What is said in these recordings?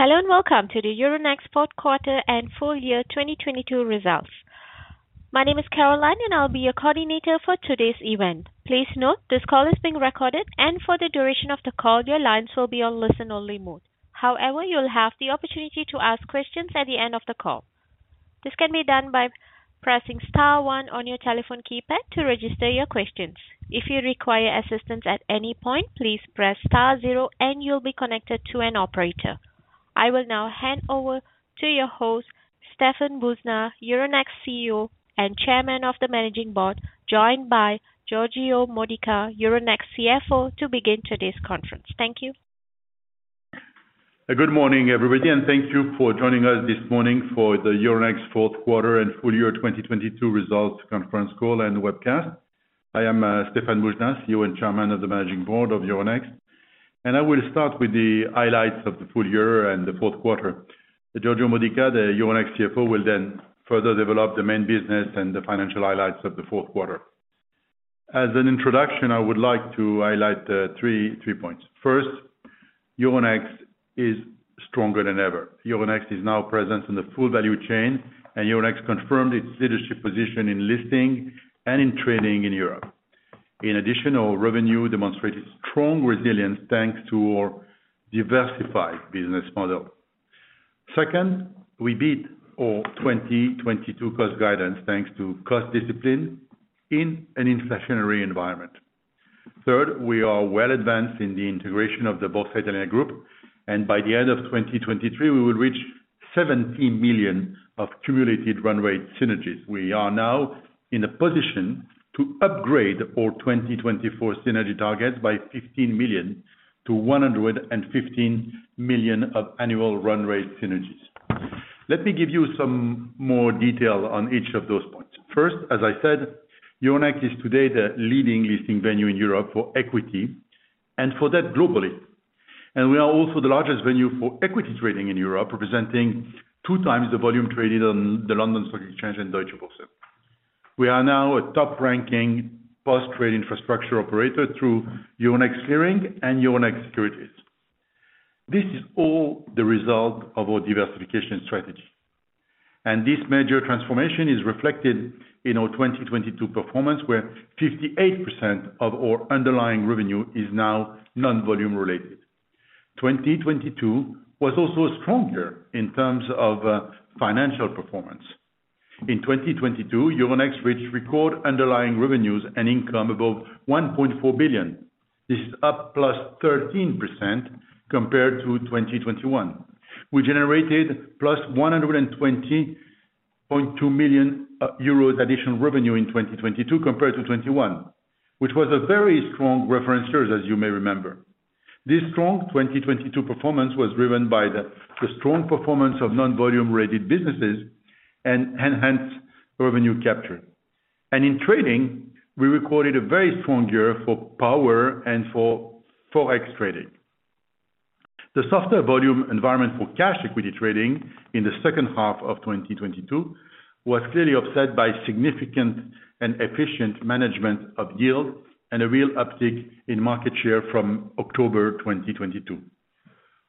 Hello and welcome to the Euronext Fourth Quarter and Full Year 2022 Results. My name is Caroline, and I'll be your coordinator for today's event. Please note this call is being recorded, and for the duration of the call, your lines will be on listen-only mode. However, you'll have the opportunity to ask questions at the end of the call. This can be done by pressing star one on your telephone keypad to register your questions. If you require assistance at any point, please press star zero and you'll be connected to an operator. I will now hand over to your host, Stéphane Boujnah, Euronext CEO and Chairman of the Managing Board, joined by Giorgio Modica, Euronext CFO, to begin today's conference. Thank you. Good morning, everybody, and thank you for joining us this morning for the Euronext fourth quarter and full year 2022 results conference call and webcast. I am Stéphane Boujnah, CEO and Chairman of the Managing Board of Euronext. I will start with the highlights of the full year and the fourth quarter. Giorgio Modica, the Euronext CFO, will further develop the main business and the financial highlights of the fourth quarter. As an introduction, I would like to highlight three points. First, Euronext is stronger than ever. Euronext is now present in the full value chain. Euronext confirmed its leadership position in listing and in trading in Europe. In addition, our revenue demonstrated strong resilience thanks to our diversified business model. Second, we beat our 2022 cost guidance thanks to cost discipline in an inflationary environment. Third, we are well advanced in the integration of the Borsa Italiana Group, and by the end of 2023, we will reach 17 million of cumulative run rate synergies. We are now in a position to upgrade our 2024 synergy targets by 15 million to 115 million of annual run rate synergies. Let me give you some more detail on each of those points. First, as I said, Euronext is today the leading listing venue in Europe for equity and for that globally. We are also the largest venue for equity trading in Europe, representing two times the volume traded on the London Stock Exchange and Deutsche Börse. We are now a top-ranking post-trade infrastructure operator through Euronext Clearing and Euronext Securities. This is all the result of our diversification strategy. This major transformation is reflected in our 2022 performance, where 58% of our underlying revenue is now non-volume related. 2022 was also stronger in terms of financial performance. In 2022, Euronext reached record underlying revenues and income above 1.4 billion. This is up +13% compared to 2021. We generated +120.2 million euros additional revenue in 2022 compared to 2021, which was a very strong reference year, as you may remember. This strong 2022 performance was driven by the strong performance of non-volume-related businesses and enhanced revenue capture. In trading, we recorded a very strong year for power and for forex trading. The softer volume environment for cash equity trading in the second half of 2022 was clearly offset by significant and efficient management of yield and a real uptick in market share from October 2022.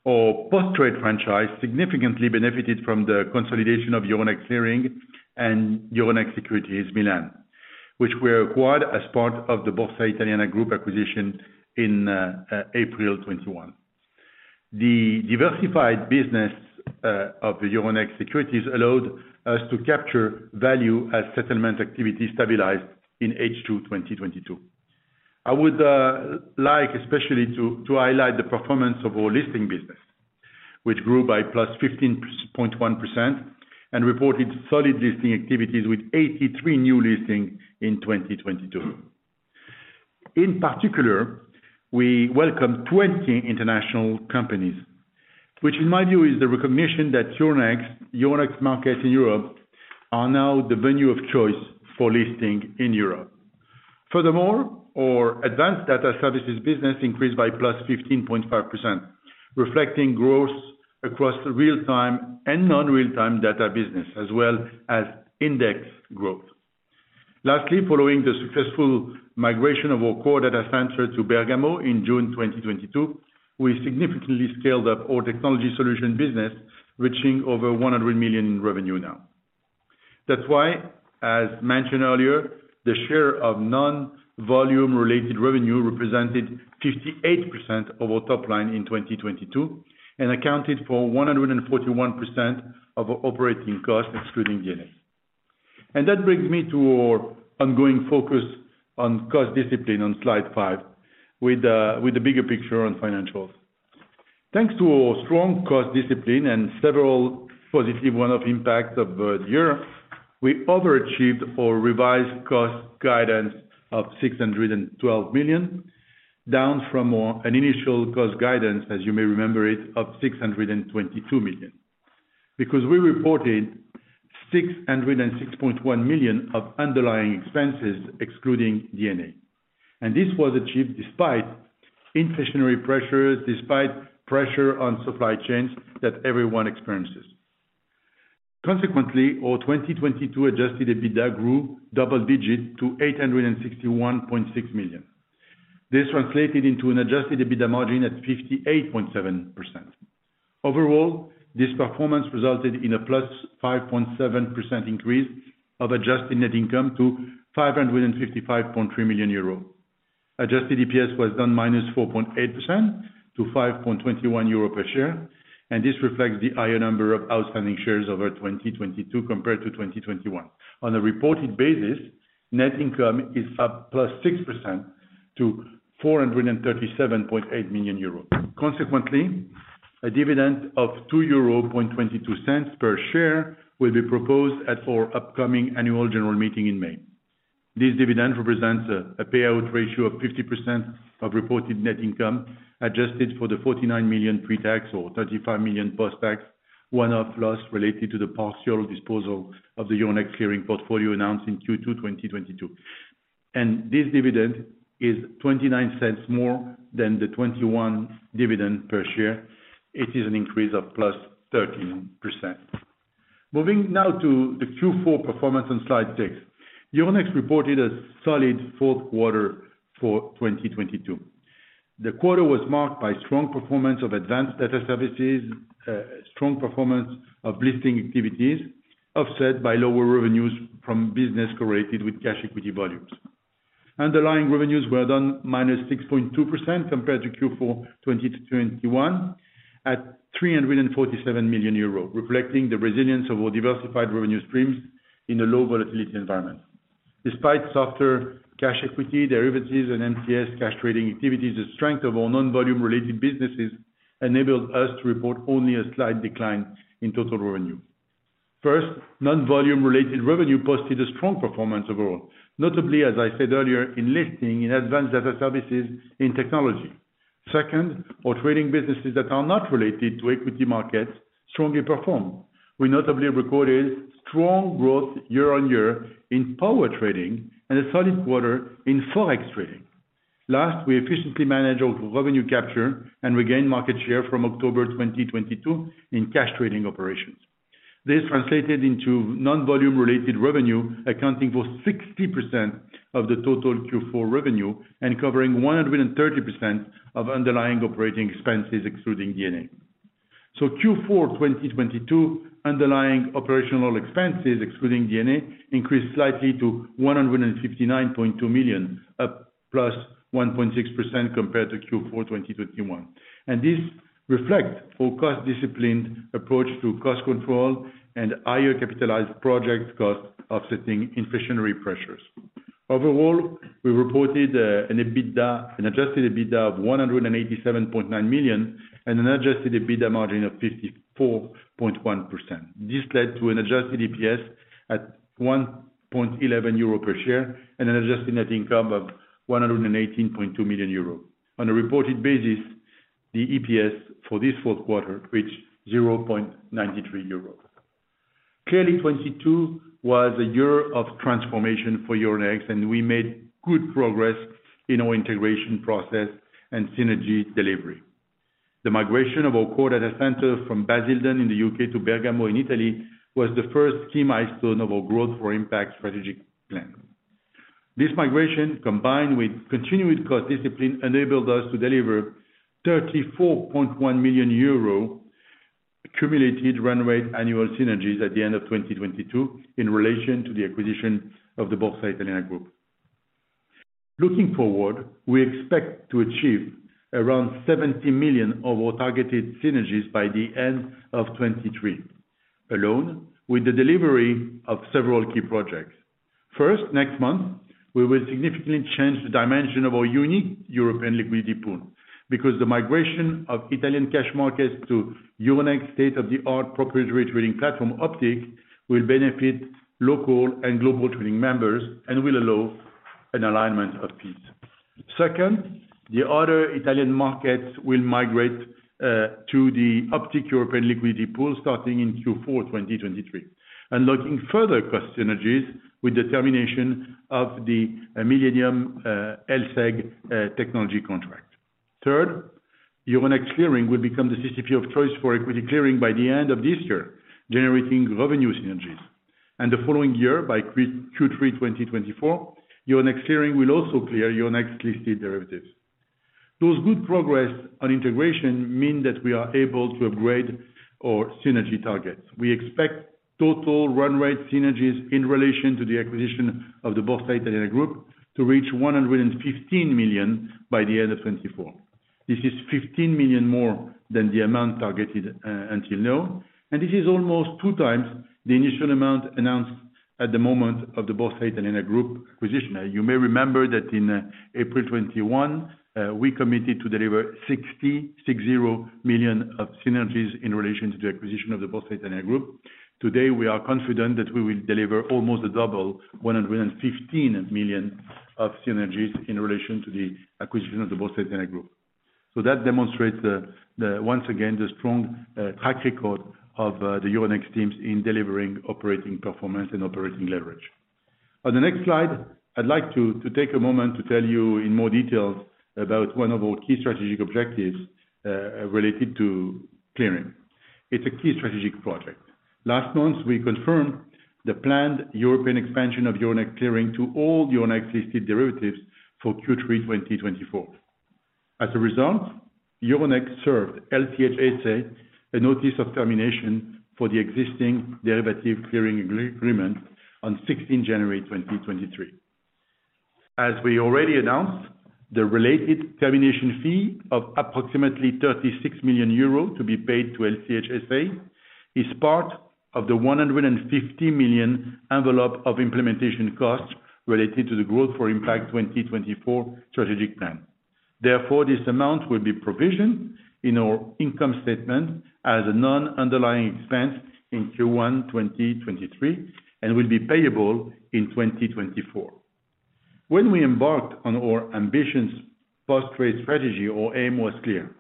Our post-trade franchise significantly benefited from the consolidation of Euronext Clearing and Euronext Securities Milan, which were acquired as part of the Borsa Italiana Group acquisition in April 2021. The diversified business of the Euronext Securities allowed us to capture value as settlement activity stabilized in H2 2022. I would like especially to highlight the performance of our listing business, which grew by +15.1% and reported solid listing activities with 83 new listings in 2022. In particular, we welcomed 20 international companies, which in my view is the recognition that Euronext markets in Europe are now the venue of choice for listing in Europe. Furthermore, our advanced data services business increased by +15.5%, reflecting growth across the real-time and non-real-time data business, as well as index growth. Lastly, following the successful migration of our core data center to Bergamo in June 2022, we significantly scaled up our technology solution business, reaching over 100 million in revenue now. That's why, as mentioned earlier, the share of non-volume related revenue represented 58% of our top line in 2022 and accounted for 141% of operating costs, excluding D&A. That brings me to our ongoing focus on cost discipline on slide five with the bigger picture on financials. Thanks to our strong cost discipline and several positive one-off impacts of the year, we overachieved our revised cost guidance of 612 million, down from an initial cost guidance, as you may remember it, of 622 million. We reported 606.1 million of underlying expenses excluding D&A. This was achieved despite inflationary pressures, despite pressure on supply chains that everyone experiences. Our 2022 adjusted EBITDA grew double-digit to 861.6 million. This translated into an adjusted EBITDA margin at 58.7%. Overall, this performance resulted in a +5.7% increase of adjusted net income to 555.3 million euro. Adjusted EPS was down minus 4.8% to 5.21 euro per share. This reflects the higher number of outstanding shares over 2022 compared to 2021. On a reported basis, net income is up plus 6% to 437.8 million euros. Consequently, a dividend of 2.22 euros per share will be proposed at our upcoming annual general meeting in May. This dividend represents a payout ratio of 50% of reported net income, adjusted for the 49 million pre-tax or 35 million post-tax one-off loss related to the partial disposal of the Euronext Clearing portfolio announced in Q2 2022. This dividend is 0.29 more than the 2021 dividend per share. It is an increase of plus 13%. Moving now to the Q4 performance on slide six. Euronext reported a solid fourth quarter for 2022. The quarter was marked by strong performance of advanced data services, strong performance of listing activities, offset by lower revenues from business correlated with cash equity volumes. Underlying revenues were down -6.2% compared to Q4 2021 at 347 million euro, reflecting the resilience of our diversified revenue streams in a low volatility environment. Despite softer cash equity derivatives and MTS cash trading activities, the strength of our non-volume related businesses enabled us to report only a slight decline in total revenue. Non-volume related revenue posted a strong performance overall, notably, as I said earlier, in listing in advanced data services in technology. Our trading businesses that are not related to equity markets strongly performed. We notably recorded strong growth year-on-year in power trading and a solid quarter in FX trading. We efficiently managed our revenue capture and regained market share from October 2022 in cash trading operations. This translated into non-volume related revenue, accounting for 60% of the total Q4 revenue and covering 130% of underlying operating expenses, excluding D&A. Q4 2022 underlying operational expenses, excluding D&A, increased slightly to 159.2 million, up +1.6% compared to Q4 2021. This reflect our cost disciplined approach to cost control and higher capitalized project costs offsetting inflationary pressures. Overall, we reported an adjusted EBITDA of 187.9 million and an adjusted EBITDA margin of 54.1%. This led to an adjusted EPS at 1.11 euro per share and an adjusted net income of 118.2 million euro. On a reported basis, the EPS for this fourth quarter reached 0.93 euro. Clearly, 2022 was a year of transformation for Euronext. We made good progress in our integration process and synergy delivery. The migration of our core data center from Basildon in the UK to Bergamo in Italy was the first key milestone of our Growth for Impact strategic plan. This migration, combined with continued cost discipline, enabled us to deliver 34.1 million euro accumulated run rate annual synergies at the end of 2022 in relation to the acquisition of the Borsa Italiana Group. Looking forward, we expect to achieve around 70 million of our targeted synergies by the end of 2023, alone with the delivery of several key projects. First, next month, we will significantly change the dimension of our unique European liquidity pool, because the migration of Italian cash markets to Euronext state-of-the-art proprietary trading platform Optiq will benefit local and global trading members and will allow an alignment of fees. Second, the other Italian markets will migrate to the Optiq European liquidity pool starting in Q4 2023, unlocking further cost synergies with the termination of the Millennium Exchange LSEG technology contract. Third, Euronext Clearing will become the CCP of choice for equity clearing by the end of this year, generating revenue synergies. The following year, by Q3 2024, Euronext Clearing will also clear Euronext-listed derivatives. Those good progress on integration mean that we are able to upgrade our synergy targets. We expect total run rate synergies in relation to the acquisition of the Borsa Italiana Group to reach 115 million by the end of 2024. This is 15 million more than the amount targeted until now. This is almost 2x the initial amount announced at the moment of the Borsa Italiana Group acquisition. You may remember that in April 2021, we committed to deliver 60 million of synergies in relation to the acquisition of the Borsa Italiana Group. Today, we are confident that we will deliver almost double, 115 million of synergies in relation to the acquisition of the Borsa Italiana Group. That demonstrates the once again, the strong track record of the Euronext teams in delivering operating performance and operating leverage. On the next slide, I'd like to take a moment to tell you in more details about one of our key strategic objectives related to clearing. It's a key strategic project. Last month, we confirmed the planned European expansion of Euronext Clearing to all Euronext listed derivatives for Q3 2024. As a result, Euronext served LCH SA a notice of termination for the existing derivative clearing agreement on 16th January 2023. As we already announced, the related termination fee of approximately 36 million euros to be paid to LCH SA is part of the 150 million envelope of implementation costs related to the Growth for Impact 2024 strategic plan. This amount will be provisioned in our income statement as a non-underlying expense in Q1 2023, and will be payable in 2024. When we embarked on our ambitions cross trade strategy, our aim was clear: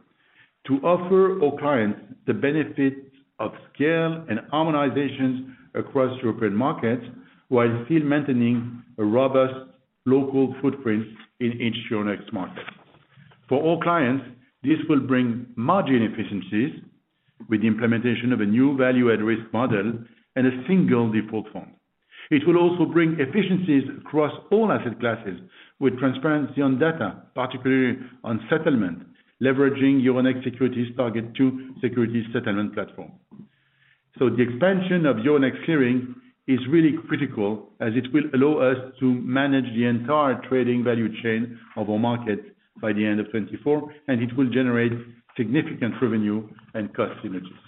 to offer our clients the benefits of scale and harmonizations across European markets, while still maintaining a robust local footprint in each Euronext market. For all clients, this will bring margin efficiencies with the implementation of a new Value at Risk model and a single default fund. It will also bring efficiencies across all asset classes with transparency on data, particularly on settlement, leveraging Euronext Securities TARGET2-Securities settlement platform. The expansion of Euronext Clearing is really critical, as it will allow us to manage the entire trading value chain of our market by the end of 2024, and it will generate significant revenue and cost synergies.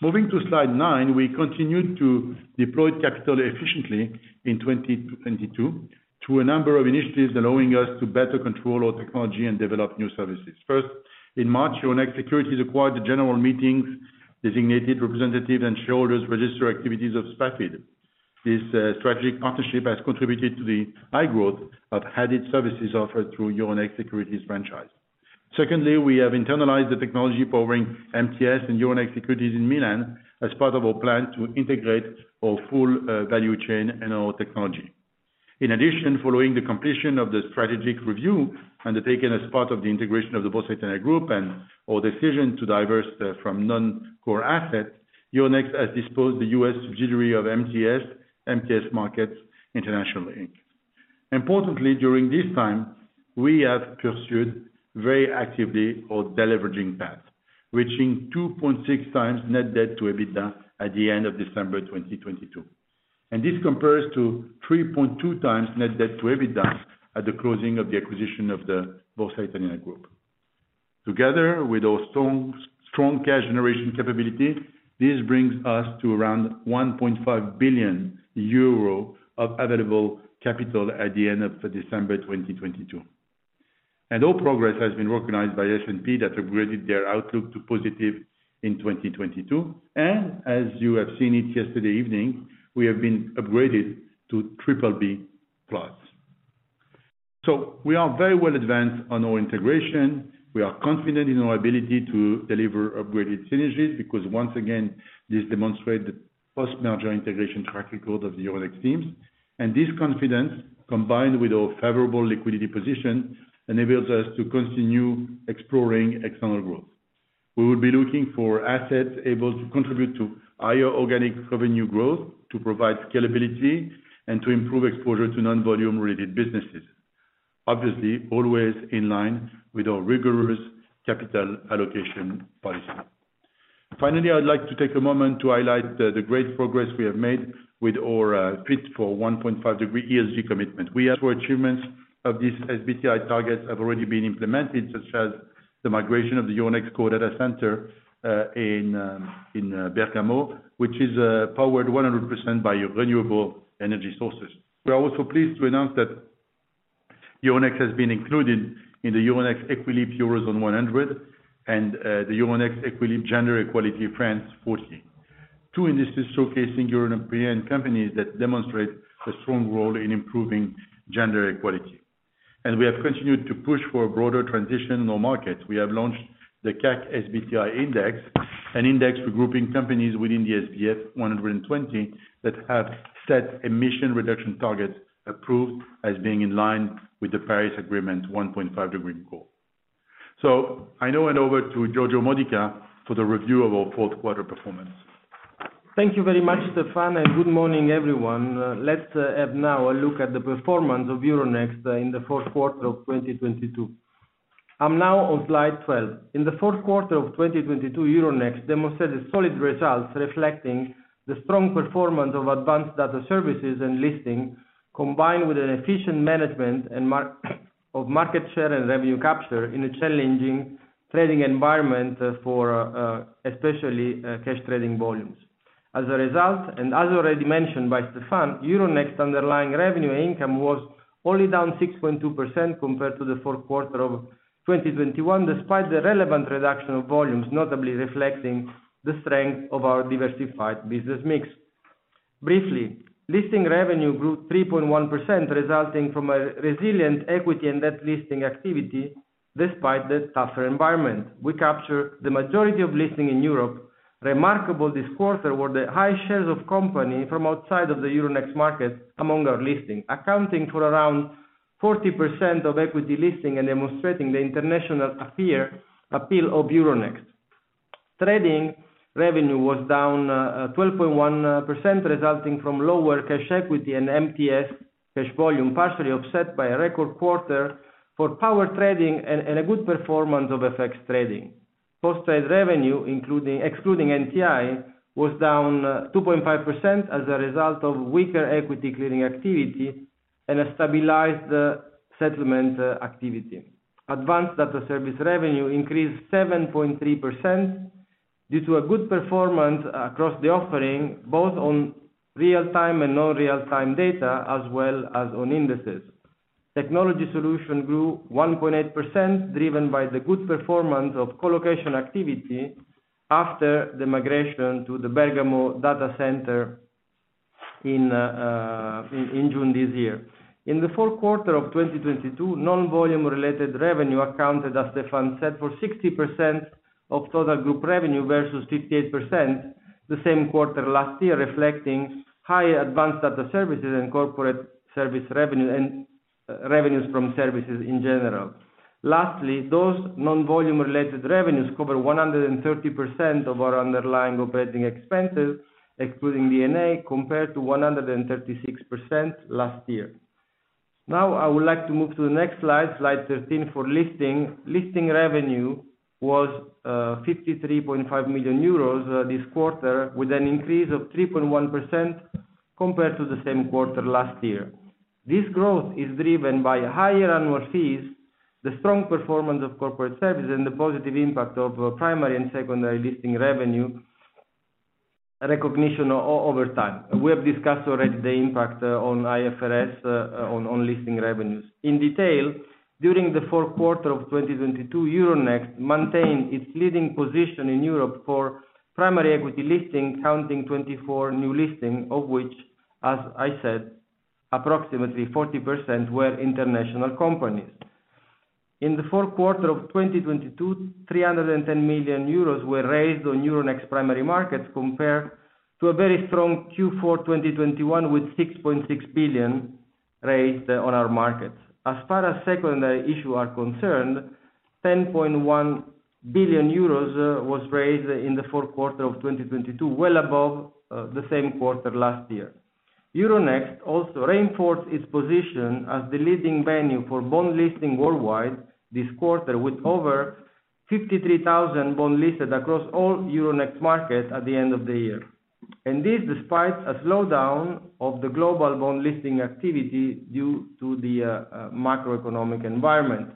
Moving to slide nine, we continued to deploy capital efficiently in 2022 through a number of initiatives allowing us to better control our technology and develop new services. First, in March, Euronext Securities acquired the general meetings designated representative and shareholders register activities of Spafid. This strategic partnership has contributed to the high growth of added services offered through Euronext Securities franchise. Secondly, we have internalized the technology powering MTS and Euronext Securities Milan as part of our plan to integrate our full value chain and our technology. In addition, following the completion of the strategic review and the taken as part of the integration of the Borsa Italiana Group and our decision to diverse the, from non-core assets, Euronext has disposed the U.S. subsidiary of MTS Markets International Inc. Importantly, during this time, we have pursued very actively our de-leveraging path, reaching 2.6x net debt to EBITDA at the end of December 2022. This compares to 3.2x net debt to EBITDA at the closing of the acquisition of the Borsa Italiana Group. Together with our strong cash generation capability, this brings us to around 1.5 billion euro of available capital at the end of December 2022. Our progress has been recognized by S&P, that upgraded their outlook to positive in 2022. As you have seen it yesterday evening, we have been upgraded to BBB+. We are very well advanced on our integration. We are confident in our ability to deliver upgraded synergies because once again, this demonstrate the post-merger integration track record of the Euronext teams. This confidence, combined with our favorable liquidity position, enables us to continue exploring external growth. We will be looking for assets able to contribute to higher organic revenue growth, to provide scalability and to improve exposure to non-volume related businesses. Obviously, always in line with our rigorous capital allocation policy. Finally, I would like to take a moment to highlight the great progress we have made with our fit for 1.5 degree ESG commitment. SBTi targets have already been implemented, such as the migration of the Euronext core data center in Bergamo, which is powered 100% by renewable energy sources. We are also pleased to announce that Euronext has been included in the Euronext Equileap Eurozone 100 and the Euronext Equileap Gender Equality France 40. Two indices showcasing European companies that demonstrate a strong role in improving gender equality. We have continued to push for a broader transition in our market. We have launched the CAC SBTI Index, an index regrouping companies within the SBF 120 that have set emission reduction target approved as being in line with the Paris Agreement 1.5 degree goal. I now hand over to Giorgio Modica for the review of our fourth quarter performance. Thank you very much, Stéphane. Good morning, everyone. Let's have now a look at the performance of Euronext in the fourth quarter of 2022. I'm now on slide 12. In the fourth quarter of 2022, Euronext demonstrated solid results reflecting the strong performance of advanced data services and listing, combined with an efficient management of market share and revenue capture in a challenging trading environment for especially cash trading volumes. As a result, as already mentioned by Stéphane, Euronext underlying revenue income was only down 6.2% compared to the fourth quarter of 2021, despite the relevant reduction of volumes, notably reflecting the strength of our diversified business mix. Briefly, listing revenue grew 3.1%, resulting from a resilient equity and debt listing activity despite the tougher environment. We capture the majority of listing in Europe. Remarkable this quarter were the high shares of company from outside of the Euronext market among our listing, accounting for around 40% of equity listing and demonstrating the international appeal of Euronext. Trading revenue was down 12.1% resulting from lower cash equity and MTS Cash volume, partially offset by a record quarter for power trading and a good performance of FX trading. Post Trade revenue, excluding NTI, was down 2.5% as a result of weaker equity clearing activity and a stabilized settlement activity. Advanced data service revenue increased 7.3% due to a good performance across the offering, both on real-time and non-real-time data, as well as on indices. Technology solution grew 1.8%, driven by the good performance of co-location activity after the migration to the Bergamo Data Center in June this year. In the fourth quarter of 2022, non-volume related revenue accounted, as Stéphane said, for 60% of total group revenue versus 58% the same quarter last year, reflecting high advanced data services and corporate service revenue and revenues from services in general. Those non-volume related revenues cover 130% of our underlying operating expenses, excluding D&A, compared to 136% last year. I would like to move to the next slide 13 for listing. Listing revenue was 53.5 million euros this quarter, with an increase of 3.1% compared to the same quarter last year. This growth is driven by higher annual fees, the strong performance of corporate services, and the positive impact of primary and secondary listing revenue recognition over time. We have discussed already the impact on IFRS on listing revenues. In detail, during the fourth quarter of 2022, Euronext maintained its leading position in Europe for primary equity listing, counting 24 new listings, of which, as I said, approximately 40% were international companies. In the fourth quarter of 2022, 310 million euros were raised on Euronext primary markets compared to a very strong Q4 2021 with 6.6 billion raised on our markets. As far as secondary issue are concerned, 10.1 billion euros was raised in the fourth quarter of 2022, well above the same quarter last year. Euronext also reinforced its position as the leading venue for bond listing worldwide this quarter, with over 53,000 bond listed across all Euronext markets at the end of the year. This despite a slowdown of the global bond listing activity due to the macroeconomic environment.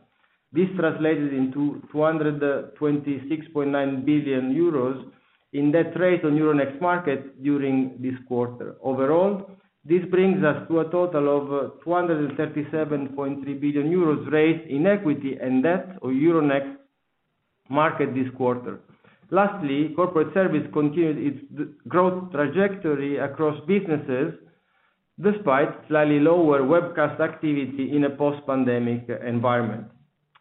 This translated into 226.9 billion euros in that rate on Euronext market during this quarter. Overall, this brings us to a total of 237.3 billion euros raised in equity and debt on Euronext market this quarter. Lastly, corporate service continued its growth trajectory across businesses despite slightly lower webcast activity in a post-pandemic environment.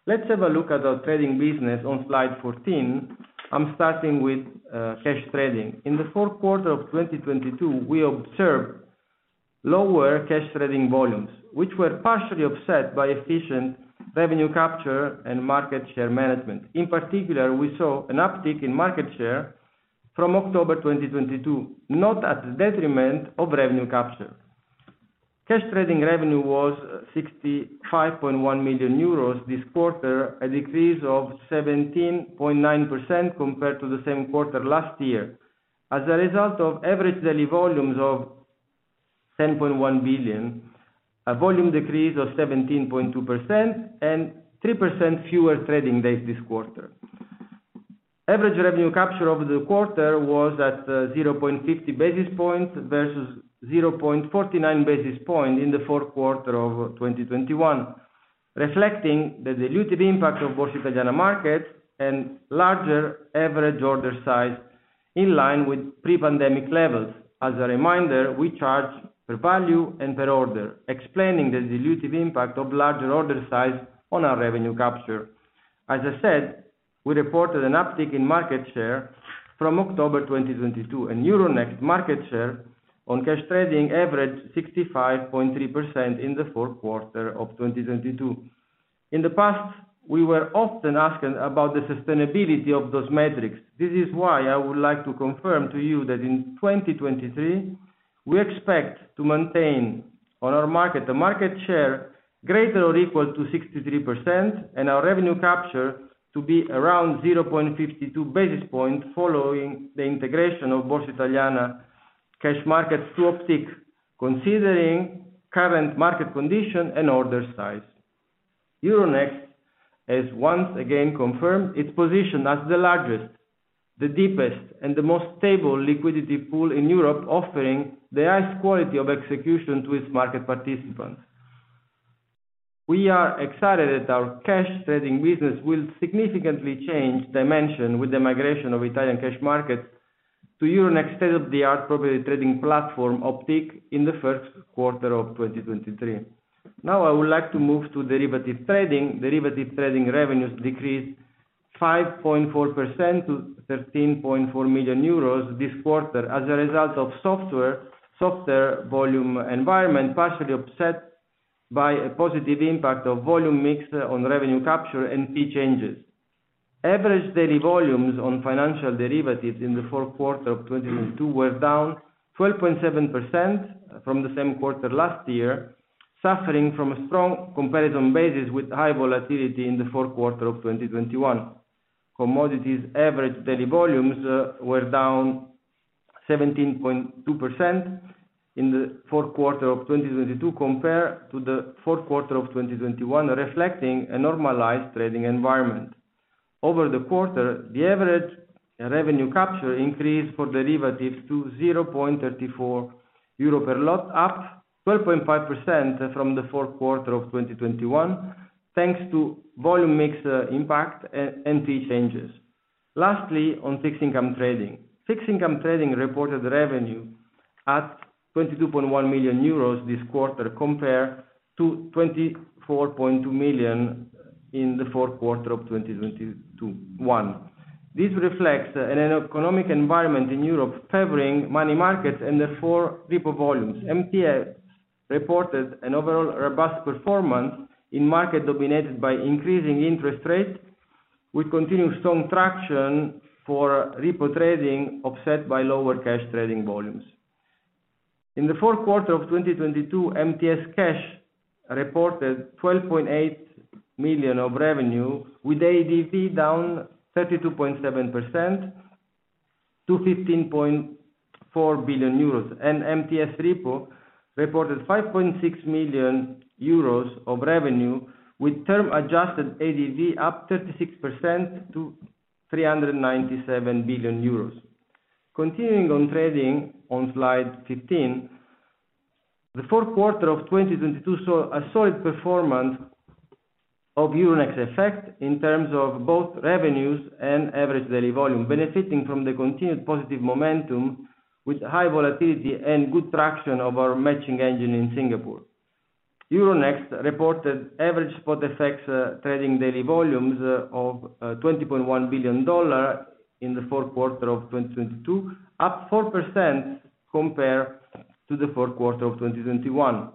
Let's have a look at our trading business on slide 14. I'm starting with cash trading. In the fourth quarter of 2022, we observed lower cash trading volumes, which were partially offset by efficient revenue capture and market share management. In particular, we saw an uptick in market share from October 2022, not at the detriment of revenue capture. Cash trading revenue was 65.1 million euros this quarter, a decrease of 17.9% compared to the same quarter last year. As a result of average daily volumes of 10.1 billion, a volume decrease of 17.2% and 3% fewer trading days this quarter. Average revenue capture over the quarter was at 0.50 basis points versus 0.49 basis points in the fourth quarter of 2021, reflecting the dilutive impact of Borsa Italiana markets and larger average order size in line with pre-pandemic levels. As a reminder, we charge per value and per order, explaining the dilutive impact of larger order size on our revenue capture. As I said, we reported an uptick in market share from October 2022, and Euronext market share on cash trading averaged 65.3% in the Q4 2022. In the past, we were often asking about the sustainability of those metrics. This is why I would like to confirm to you that in 2023, we expect to maintain on our market a market share greater or equal to 63%, and our revenue capture to be around 0.52 basis points following the integration of Borsa Italiana cash markets through Optiq, considering current market condition and order size. Euronext has once again confirmed its position as the largest, the deepest, and the most stable liquidity pool in Europe, offering the highest quality of execution to its market participants. We are excited that our cash trading business will significantly change dimension with the migration of Italian cash markets to Euronext's state-of-the-art proprietary trading platform, Optiq, in the first quarter of 2023. I would like to move to derivatives trading. Derivatives trading revenues decreased 5.4% to 13.4 million euros this quarter as a result of softer volume environment, partially offset by a positive impact of volume mix on revenue capture and fee changes. Average daily volumes on financial derivatives in the fourth quarter of 2022 were down 12.7% from the same quarter last year, suffering from a strong comparison basis with high volatility in the fourth quarter of 2021. Commodities average daily volumes were down 17.2% in the fourth quarter of 2022 compared to the fourth quarter of 2021, reflecting a normalized trading environment. Over the quarter, the average revenue capture increased for derivatives to 0.34 euro per lot, up 12.5% from the fourth quarter of 2021, thanks to volume mix and fee changes. Lastly, on fixed income trading. Fixed income trading reported revenue at 22.1 million euros this quarter compared to 24.2 million in the fourth quarter of 2021. This reflects an economic environment in Europe favoring money markets and therefore repo volumes. MTS reported an overall robust performance in markets dominated by increasing interest rates, with continued strong traction for repo trading offset by lower cash trading volumes. In the fourth quarter of 2022, MTS Cash reported 12.8 million of revenue with ADV down 32.7% to 15.4 billion euros. MTS Repo reported 5.6 million euros of revenue with term adjusted ADV up 36% to 397 billion euros. Continuing on trading on slide 15, the fourth quarter of 2022 saw a solid performance of Euronext FX in terms of both revenues and average daily volume, benefiting from the continued positive momentum with high volatility and good traction of our matching engine in Singapore. Euronext reported average spot effects trading daily volumes of $20.1 billion in the fourth quarter of 2022, up 4% compared to the fourth quarter of 2021.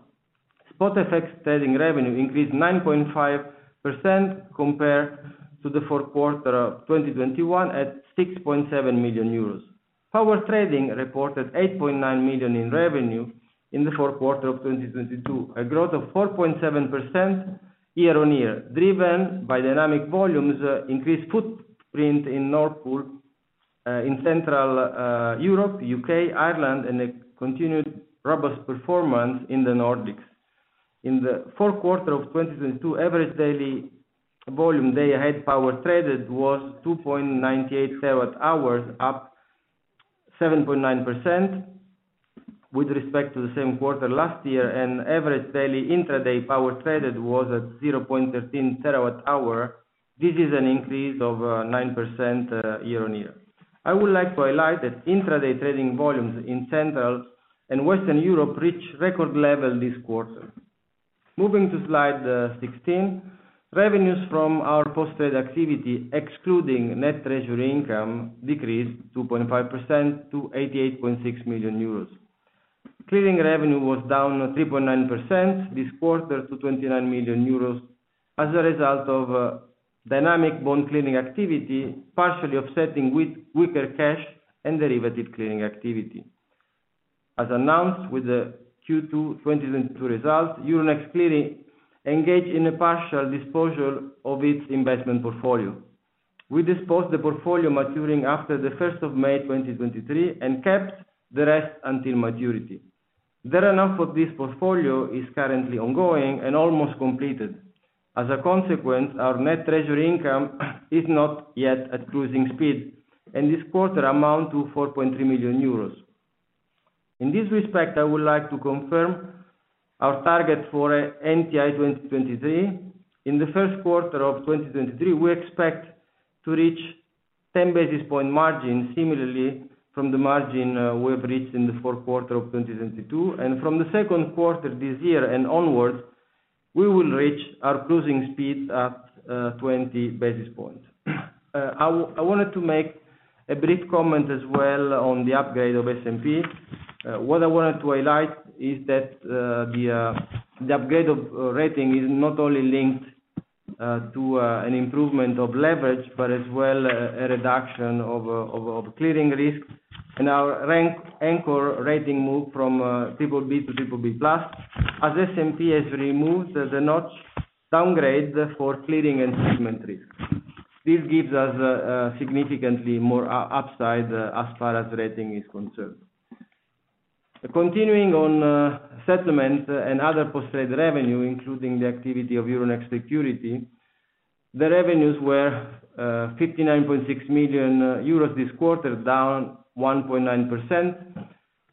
Spot effects trading revenue increased 9.5% compared to the fourth quarter of 2021 at 6.7 million euros. Power trading reported 8.9 million in revenue in the fourth quarter of 2022, a growth of 4.7% year-on-year, driven by dynamic volumes, increased footprint in Nord Pool, in central Europe, U.K., Ireland, and a continued robust performance in the Nordics. In the fourth quarter of 2022, average daily volume day ahead power traded was 2.98 terawatt-hours, up 7.9% with respect to the same quarter last year, and average daily intra-day power traded was at 0.13 TWh. This is an increase of 9% year-on-year. I would like to highlight that intra-day trading volumes in Central and Western Europe reached record level this quarter. Moving to slide 16. Revenues from our post-trade activity, excluding net treasury income, decreased 2.5% to 88.6 million euros. Clearing revenue was down 3.9% this quarter to 29 million euros as a result of dynamic bond clearing activity, partially offsetting with weaker cash and derivative clearing activity. As announced with the Q2 2022 results, Euronext clearly engaged in a partial disposal of its investment portfolio. We disposed the portfolio maturing after May 1, 2023 and kept the rest until maturity. The run-off of this portfolio is currently ongoing and almost completed. As a consequence, our net treasury income is not yet at cruising speed and this quarter amount to 4.3 million euros. In this respect, I would like to confirm our target for NTI 2023. In the first quarter of 2023, we expect to reach 10 basis point margin similarly from the margin we have reached in the fourth quarter of 2022. From the second quarter this year and onwards, we will reach our cruising speed at 20 basis points. I wanted to make a brief comment as well on the upgrade of S&P. What I wanted to highlight is that the upgrade of rating is not only linked to an improvement of leverage, but as well a reduction of clearing risk and our rank anchor rating move from BBB to BBB+ as S&P has removed the notch downgrade for clearing and segment risk. This gives us significantly more upside as far as rating is concerned. Continuing on settlement and other post-trade revenue, including the activity of Euronext Securities, the revenues were 59.6 million euros this quarter, down 1.9%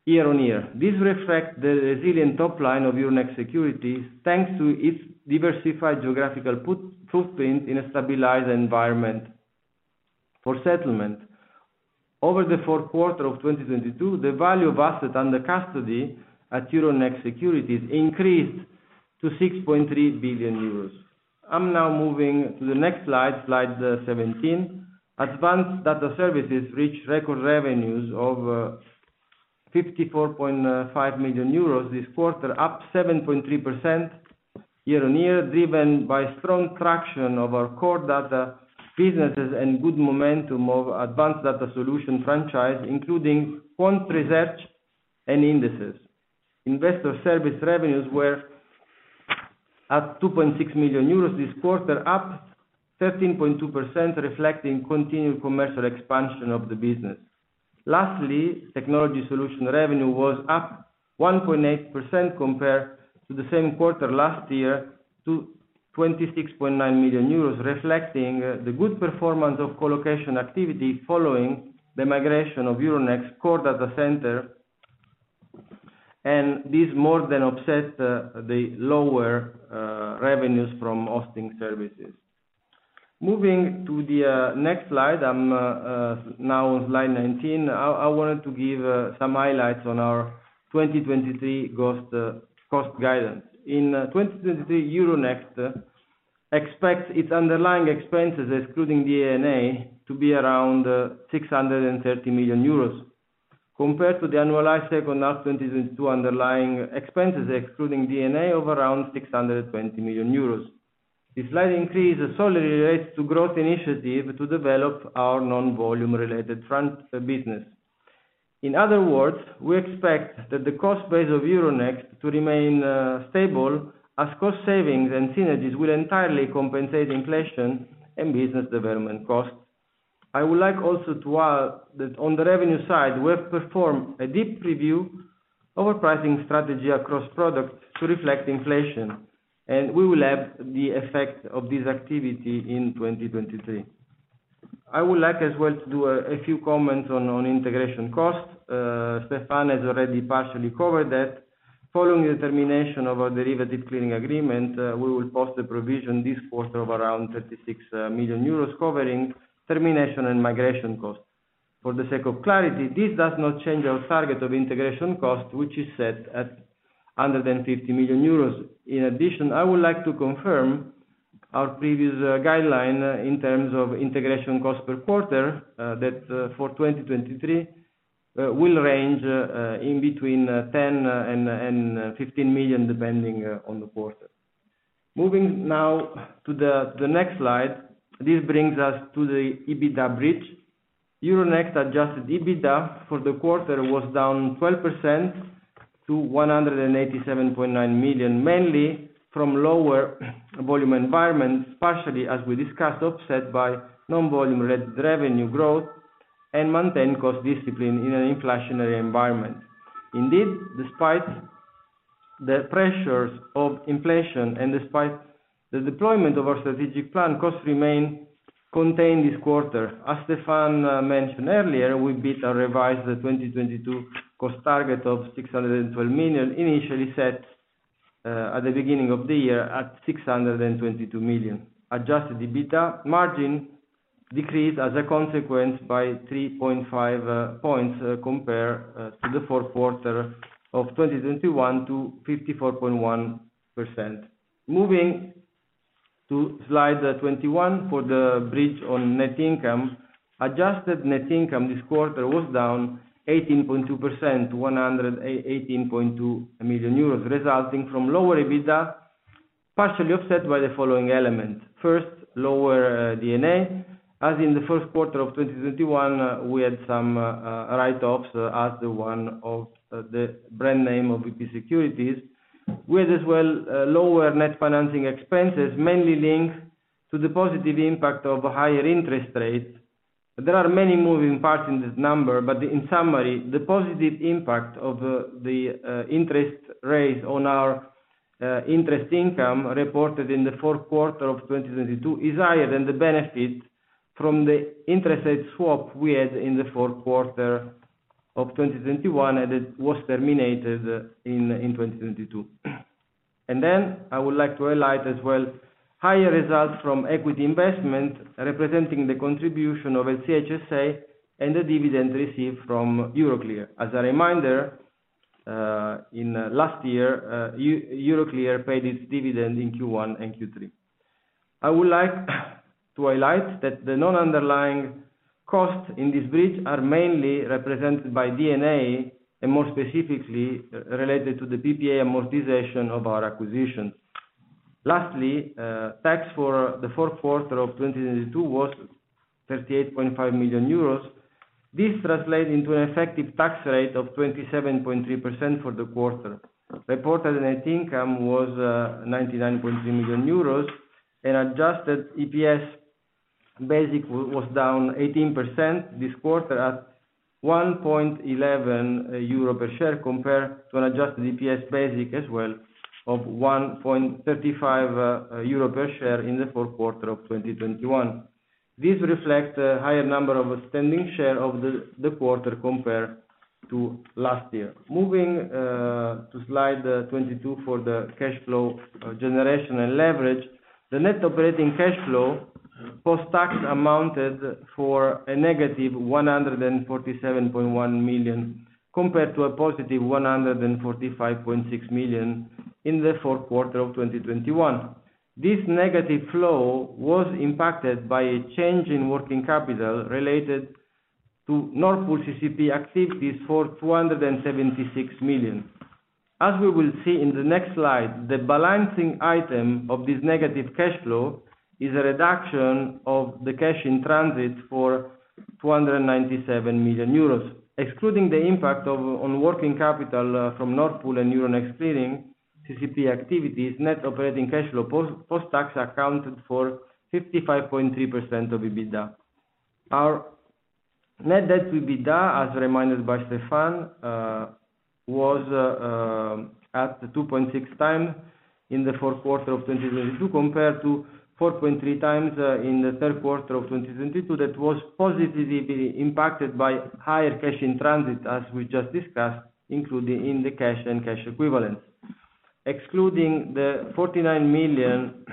year-on-year. This reflect the resilient top line of Euronext Securities, thanks to its diversified geographical footprint in a stabilized environment for settlement. Over the fourth quarter of 2022, the value of assets under custody at Euronext Securities increased to 6.3 billion euros. I'm now moving to the next slide 17. Advanced Data Services reached record revenues of 54.5 million euros this quarter, up 7.3% year-on-year, driven by strong traction of our core data businesses and good momentum of Advanced Data Solution franchise, including quant research and indices. Investor service revenues were at 2.6 million euros this quarter, up 13.2%, reflecting continued commercial expansion of the business. Lastly, technology solution revenue was up 1.8% compared to the same quarter last year to 26.9 million euros, reflecting the good performance of colocation activity following the migration of Euronext core data center. This more than offset the lower revenues from hosting services. Moving to the next slide, I'm now on slide 19. I wanted to give some highlights on our 2023 cost guidance. In 2023, Euronext expects its underlying expenses, excluding D&A, to be around 630 million euros compared to the annualized second half 2022 underlying expenses, excluding D&A, of around 620 million euros. The slight increase is solely related to growth initiative to develop our non-volume related business. In other words, we expect that the cost base of Euronext to remain stable as cost savings and synergies will entirely compensate inflation and business development costs. I would like also to add that on the revenue side, we have performed a deep review of our pricing strategy across products to reflect inflation, and we will have the effect of this activity in 2023. I would like as well to do a few comments on integration costs. Stéphane has already partially covered that. Following the termination of our derivatives clearing agreement, we will post a provision this quarter of around 36 million euros covering termination and migration costs. For the sake of clarity, this does not change our target of integration costs, which is set at under than 50 million euros. In addition, I would like to confirm our previous guideline in terms of integration cost per quarter that for 2023 will range in between 10 million and 15 million, depending on the quarter. Moving now to the next slide. This brings us to the EBITDA bridge. Euronext adjusted EBITDA for the quarter was down 12% to 187.9 million, mainly from lower volume environments, partially as we discussed, offset by non-volume revenue growth and maintain cost discipline in an inflationary environment. Indeed, despite the pressures of inflation and despite the deployment of our strategic plan, costs remain contained this quarter. As Stéphane mentioned earlier, we beat our revised 2022 cost target of 612 million, initially set at the beginning of the year at 622 million. Adjusted EBITDA margin decreased as a consequence by 3.5 points compared to the fourth quarter of 2021 to 54.1%. Moving to slide 21 for the bridge on net income. Adjusted net income this quarter was down 18.2% to 18.2 million euros, resulting from lower EBITDA, partially offset by the following elements. First, lower D&A. As in the first quarter of 2021, we had some write-offs as the one of the brand name of VP Securities. We had as well lower net financing expenses, mainly linked to the positive impact of higher interest rates. There are many moving parts in this number, but in summary, the positive impact of the interest rates on our interest income reported in the fourth quarter of 2022 is higher than the benefit from the interest rate swap we had in the fourth quarter of 2021, and it was terminated in 2022. I would like to highlight as well higher results from equity investment representing the contribution of LCH SA and the dividend received from Euroclear. As a reminder, in last year, Euroclear paid its dividend in Q1 and Q3. I would like to highlight that the non-underlying costs in this bridge are mainly represented by D&A and more specifically related to the PPA amortization of our acquisition. Lastly, tax for the fourth quarter of 2022 was 38.5 million euros. This translates into an effective tax rate of 27.3% for the quarter. Reported net income was 99.3 million euros, and adjusted EPS basic was down 18% this quarter at 1.11 euro per share compared to an adjusted EPS basic as well of 1.35 euro per share in the fourth quarter of 2021. This reflects the higher number of outstanding share of the quarter compared to last year. Moving to slide 22 for the cash flow generation and leverage. The net operating cash flow post-tax amounted for a negative 147.1 million compared to a positive 145.6 million in the fourth quarter of 2021. This negative flow was impacted by a change in working capital related to Nord Pool CCP activities for 276 million. As we will see in the next slide, the balancing item of this negative cash flow is a reduction of the cash in transit for 297 million euros. Excluding the impact on working capital from Nord Pool and Euronext Clearing CCP activities, net operating cash flow post-tax accounted for 55.3% of EBITDA. Our net debt to EBITDA, as reminded by Stéphane, was at 2.6x in the fourth quarter of 2022 compared to 4.3x in the third quarter of 2022. That was positively impacted by higher cash in transit, as we just discussed, including in the cash and cash equivalents. Excluding the 49 million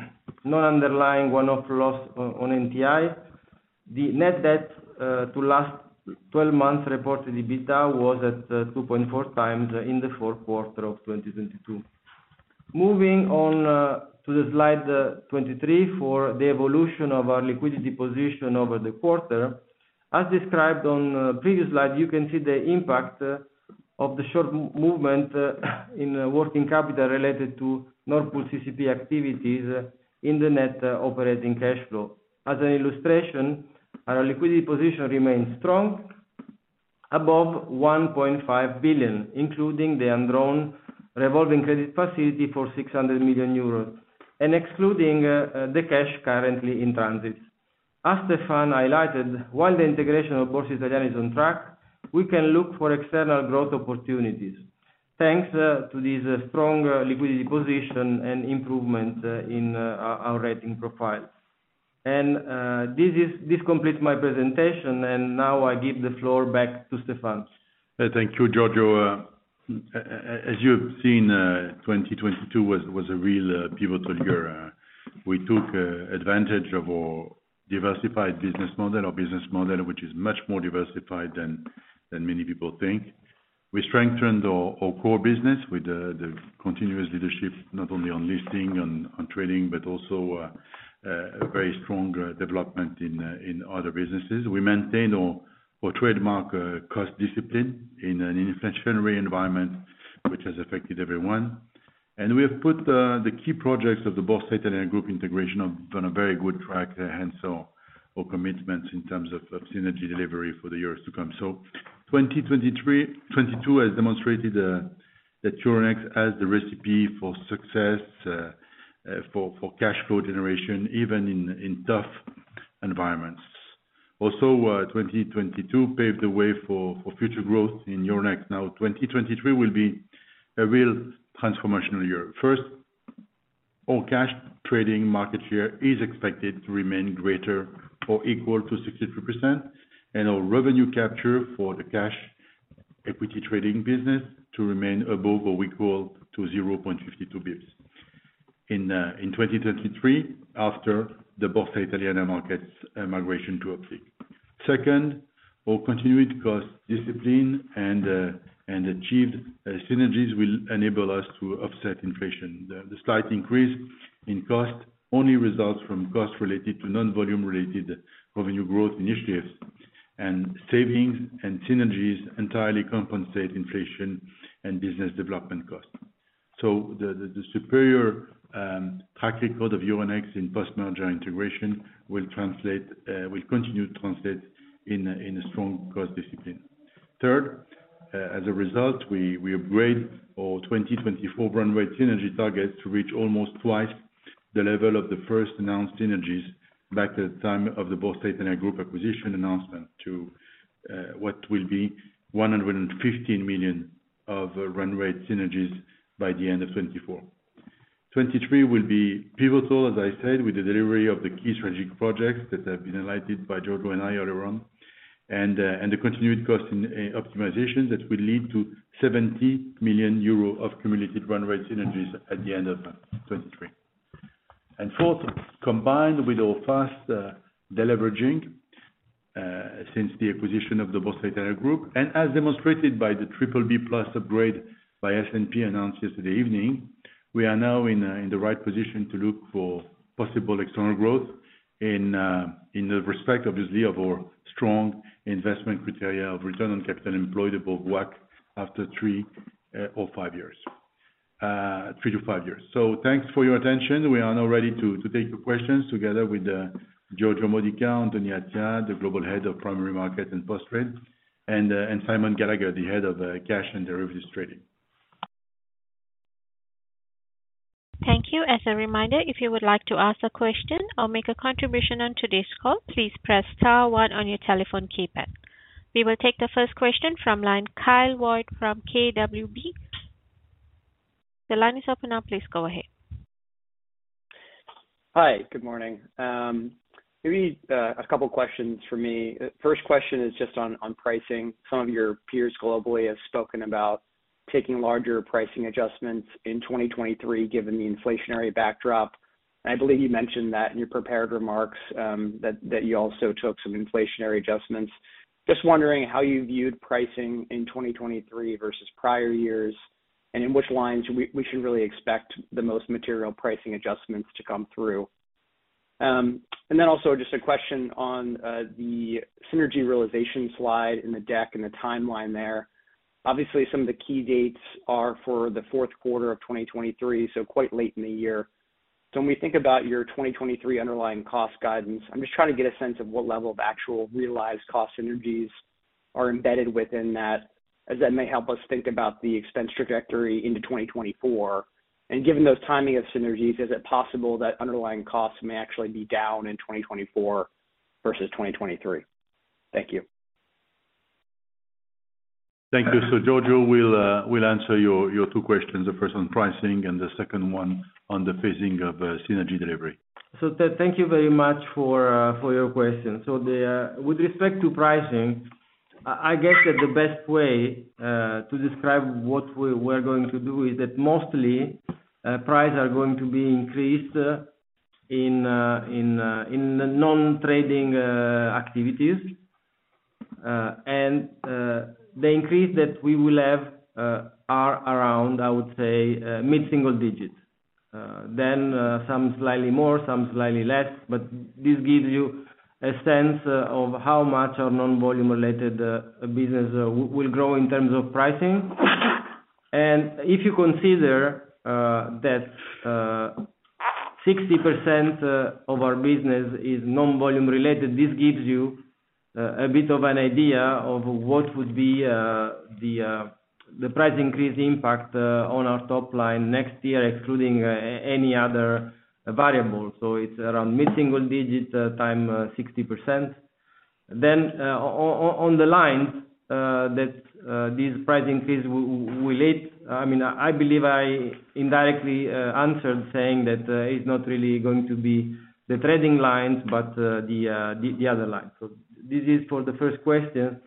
non-underlying one-off loss on NTI, the net debt to last twelve months reported EBITDA was at 2.4x in the fourth quarter of 2022. Moving on to slide 23 for the evolution of our liquidity position over the quarter. As described on previous slide, you can see the impact of the short movement in working capital related to Nord Pool CCP activities in the net operating cash flow. As an illustration, our liquidity position remains strong above 1.5 billion, including the undrawn revolving credit facility for 600 million euros and excluding the cash currently in transit. As Stéphane highlighted, while the integration of Borsa Italiana is on track, we can look for external growth opportunities thanks to this strong liquidity position and improvement in our rating profile. This completes my presentation. Now I give the floor back to Stéphane. Thank you, Giorgio. As you've seen, 2022 was a real pivotal year. We took advantage of our diversified business model or business model, which is much more diversified than many people think. We strengthened our core business with the continuous leadership not only on listing on trading, but also a very strong development in other businesses. We maintained our trademark cost discipline in an inflationary environment which has affected everyone. We have put the key projects of the Borsa Italiana Group integration on a very good track and so our commitments in terms of synergy delivery for the years to come. 2022 has demonstrated that Euronext has the recipe for success for cash flow generation, even in tough environments. 2022 paved the way for future growth in Euronext. 2023 will be a real transformational year. First, our cash trading market share is expected to remain greater or equal to 63%, and our revenue capture for the cash equity trading business to remain above or equal to 0.52 basis points in 2023 after the Borsa Italiana markets migration to Optiq. Second, our continued cost discipline and achieved synergies will enable us to offset inflation. The slight increase in cost only results from costs related to non-volume related revenue growth initiatives. Savings and synergies entirely compensate inflation and business development costs. The superior track record of Euronext in post-merger integration will translate, will continue to translate in a strong cost discipline. Third, as a result, we upgrade our 2024 run rate synergy target to reach almost twice the level of the first announced synergies back at the time of the Borsa Italiana Group acquisition announcement to what will be 115 million of run rate synergies by the end of 2024. 2023 will be pivotal, as I said, with the delivery of the key strategic projects that have been highlighted by Giorgio and I earlier on, and the continued cost and optimization that will lead to 70 million euro of cumulative run rate synergies at the end of 2023. Fourth, combined with our fast deleveraging since the acquisition of the Borsa Italiana Group and as demonstrated by the BBB+ upgrade by S&P announced yesterday evening, we are now in the right position to look for possible external growth in the respect, obviously, of our strong investment criteria of return on capital employed above WACC after three or five years. Three to five years. Thanks for your attention. We are now ready to take your questions together with Giorgio Modica, Anthony Attia, the Global Head of Primary Markets and Post Trade, and Simon Gallagher, the Head of Cash and Derivatives Trading. Thank you. As a reminder, if you would like to ask a question or make a contribution on today's call, please press star one on your telephone keypad. We will take the first question from line, Kyle Voigt from KBW. The line is open now, please go ahead. Hi, good morning. Maybe a couple questions for me. First question is just on pricing. Some of your peers globally have spoken about taking larger pricing adjustments in 2023, given the inflationary backdrop. I believe you mentioned that in your prepared remarks that you also took some inflationary adjustments. Just wondering how you viewed pricing in 2023 versus prior years, and in which lines we should really expect the most material pricing adjustments to come through. Then also just a question on the synergy realization slide in the deck and the timeline there. Obviously, some of the key dates are for the fourth quarter of 2023, so quite late in the year. When we think about your 2023 underlying cost guidance, I'm just trying to get a sense of what level of actual realized cost synergies are embedded within that, as that may help us think about the expense trajectory into 2024. Given those timing of synergies, is it possible that underlying costs may actually be down in 2024 versus 2023? Thank you. Thank you. Giorgio will answer your two questions, the first on pricing and the second one on the phasing of synergy delivery. Thank you very much for your question. The with respect to pricing, I guess that the best way to describe what we're going to do is that mostly price are going to be increased in the non-trading activities. The increase that we will have are around, I would say, mid-single digit. Some slightly more, some slightly less, but this gives you a sense of how much our non-volume related business will grow in terms of pricing. If you consider that 60% of our business is non-volume related, this gives you a bit of an idea of what would be the price increase impact on our top line next year, excluding any other variable. It's around mid-single digit time 60%. On the line that this price increase will hit, I mean, I believe I indirectly answered saying that it's not really going to be the trading lines, but the other lines. This is for the first question.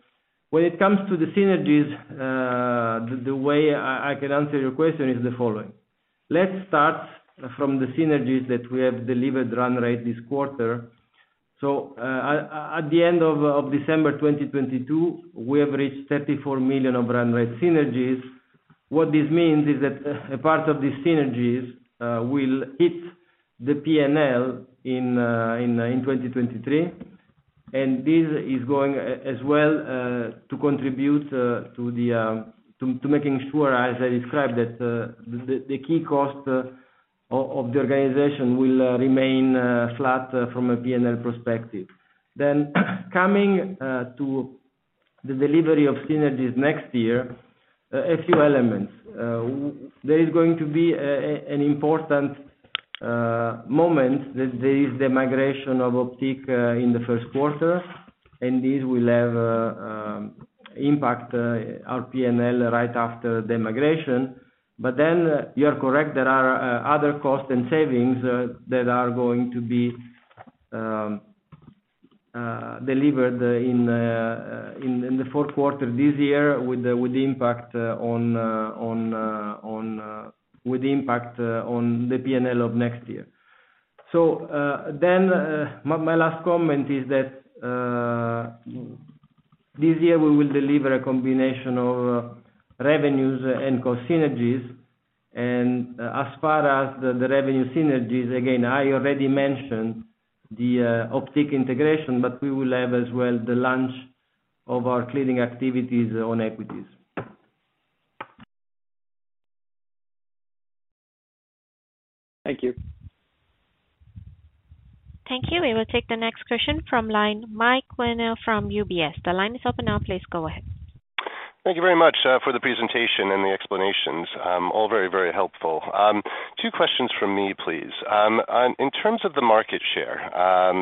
When it comes to the synergies, the way I can answer your question is the following. Let's start from the synergies that we have delivered run rate this quarter. At the end of December 2022, we have reached 34 million of run rate synergies. What this means is that a part of these synergies will hit the P&L in 2023. This is going as well to contribute to making sure, as I described, that the key cost of the organization will remain flat from a P&L perspective. Coming to the delivery of synergies next year, a few elements. There is going to be an important moment that there is the migration of Optiq in the first quarter, and this will have impact our P&L right after the migration. You are correct, there are other costs and savings that are going to be delivered in the fourth quarter this year with the with the impact on, with the impact on the P&L of next year. My last comment is that this year we will deliver a combination of revenues and cost synergies. As far as the revenue synergies, again, I already mentioned the Optiq integration, but we will have as well the launch of our clearing activities on equities. Thank you. Thank you. We will take the next question from line, Mike Warner from UBS. The line is open now, please go ahead. Thank you very much for the presentation and the explanations, all very, very helpful. Two questions from me, please. In terms of the market share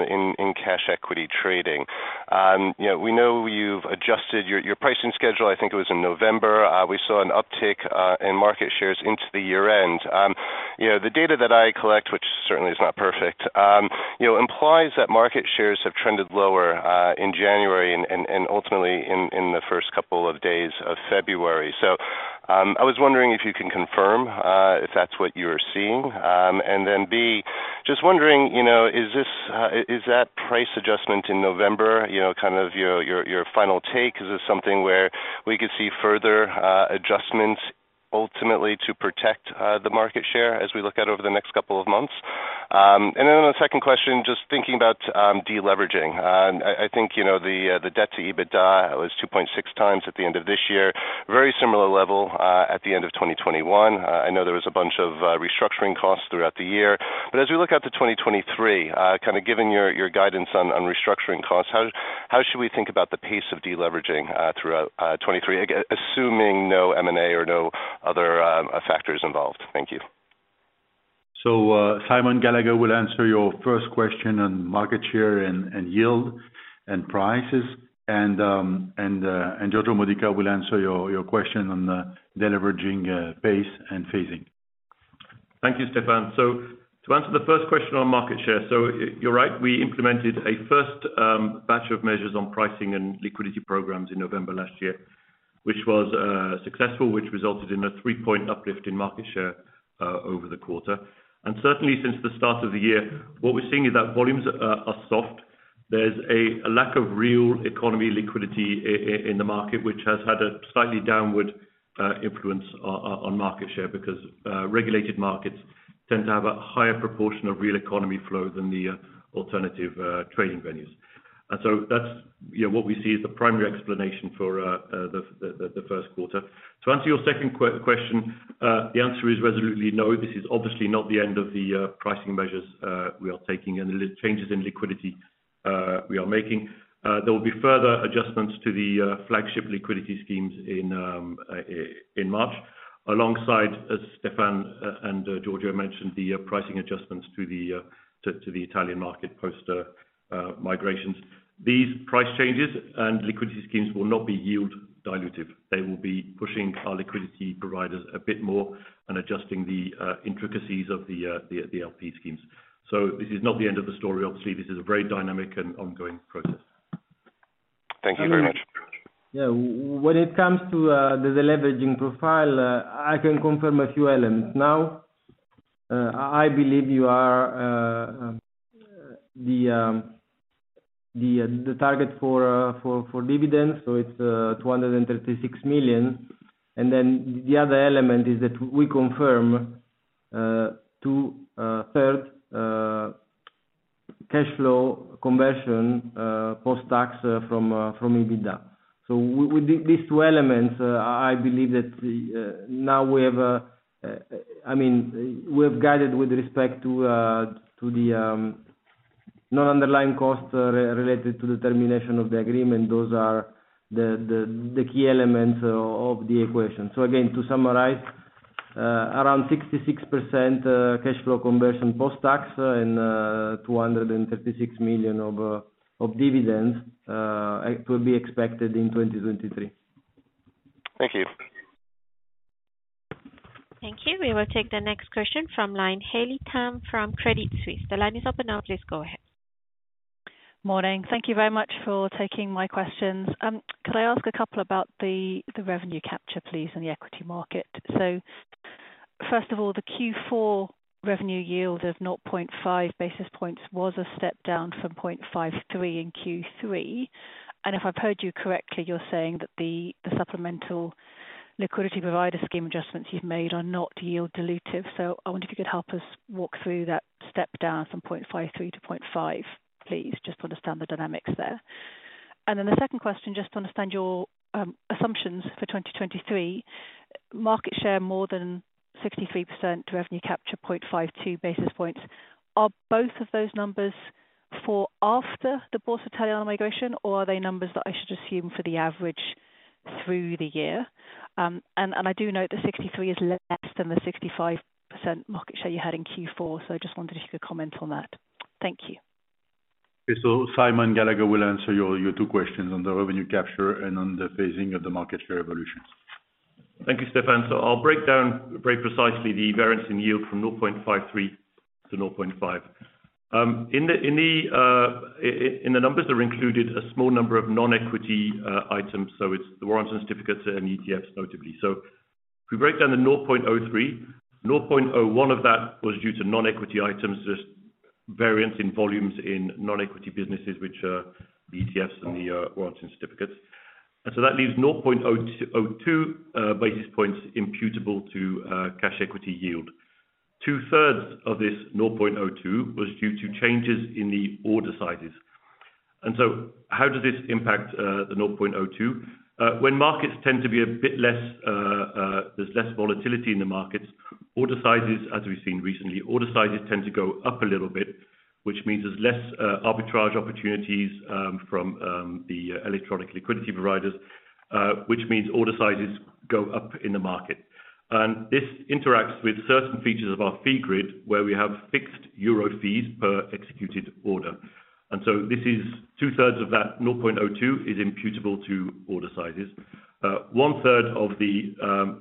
in cash equity trading, you know, we know you've adjusted your pricing schedule, I think it was in November. We saw an uptick in market shares into the year end. You know, the data that I collect, which certainly is not perfect, you know, implies that market shares have trended lower in January and ultimately in the first couple of days of February. I was wondering if you can confirm if that's what you're seeing. B, just wondering, you know, is this, is that price adjustment in November, you know, kind of your final take? Is this something where we could see further adjustments ultimately to protect the market share as we look out over the next couple of months? The second question, just thinking about deleveraging. I think, you know, the debt to EBITDA was 2.6x at the end of this year. Very similar level at the end of 2021. I know there was a bunch of restructuring costs throughout the year. As we look out to 2023, kind of giving your guidance on restructuring costs, how should we think about the pace of deleveraging throughout 2023? Assuming no M&A or no other factors involved. Thank you. Simon Gallagher will answer your first question on market share and yield and prices. Giorgio Modica will answer your question on deleveraging pace and phasing. Thank you, Stéphane. To answer the first question on market share. You're right, we implemented a first batch of measures on pricing and liquidity programs in November last year, which was successful, which resulted in a 3-point uplift in market share over the quarter. Certainly, since the start of the year, what we're seeing is that volumes are soft. There's a lack of real economy liquidity in the market, which has had a slightly downward influence on market share because regulated markets tend to have a higher proportion of real economy flow than the alternative trading venues. That's, you know, what we see is the primary explanation for the first quarter. To answer your second question, the answer is resolutely no. This is obviously not the end of the pricing measures we are taking and the changes in liquidity we are making. There will be further adjustments to the flagship liquidity schemes in March, alongside, as Stéphane and Giorgio mentioned, the pricing adjustments to the Italian market post migrations. These price changes and liquidity schemes will not be yield dilutive. They will be pushing our liquidity providers a bit more and adjusting the intricacies of the LP schemes. This is not the end of the story. Obviously, this is a very dynamic and ongoing process. Thank you very much. And- Yeah. When it comes to the deleveraging profile, I can confirm a few elements. Now, I believe you are the target for dividends. It's 236 million. The other element is that we confirm to third cash flow conversion post-tax from EBITDA. With these two elements, I believe that now we have, I mean, we have guided with respect to the non-underlying costs related to the termination of the agreement. Those are the key elements of the equation. Again, to summarize, around 66% cash flow conversion post-tax and 236 million of dividends, it will be expected in 2023. Thank you. Thank you. We will take the next question from line Haley Tam from Credit Suisse. The line is open now, please go ahead. Morning. Thank you very much for taking my questions. Could I ask a couple about the revenue capture, please, in the equity market? First of all, the Q4 revenue yield of 0.5 basis points was a step down from 0.53 in Q3. If I've heard you correctly, you're saying that the supplemental liquidity provider scheme adjustments you've made are not yield dilutive. I wonder if you could help us walk through that step down from 0.53 to 0.5, please, just to understand the dynamics there. The second question, just to understand your assumptions for 2023, market share more than 63% to revenue capture 0.52 basis points. Are both of those numbers for after the Borsa Italiana migration or are they numbers that I should assume for the average through the year? And I do note the 63 is less than the 65% market share you had in Q4. I just wondered if you could comment on that. Thank you. Simon Gallagher will answer your two questions on the revenue capture and on the phasing of the market share evolutions. Thank you, Stéphane. I'll break down very precisely the variance in yield from 0.53 to 0.5. In the numbers that are included, a small number of non-equity items. It's the warrants and certificates and ETFs, notably. If we break down the 0.03, 0.01 of that was due to non-equity items, just variance in volumes in non-equity businesses, which are the ETFs and the warrants and certificates. That leaves 0.02 basis points imputable to cash equity yield. Two-thirds of this 0.02 was due to changes in the order sizes. How does this impact the 0.02? When markets tend to be a bit less, there's less volatility in the markets, order sizes, as we've seen recently, order sizes tend to go up a little bit, which means there's less arbitrage opportunities from the electronic liquidity providers, which means order sizes go up in the market. This interacts with certain features of our fee grid, where we have fixed EUR fees per executed order. This is two-thirds of that 0.02 is imputable to order sizes. One-third of the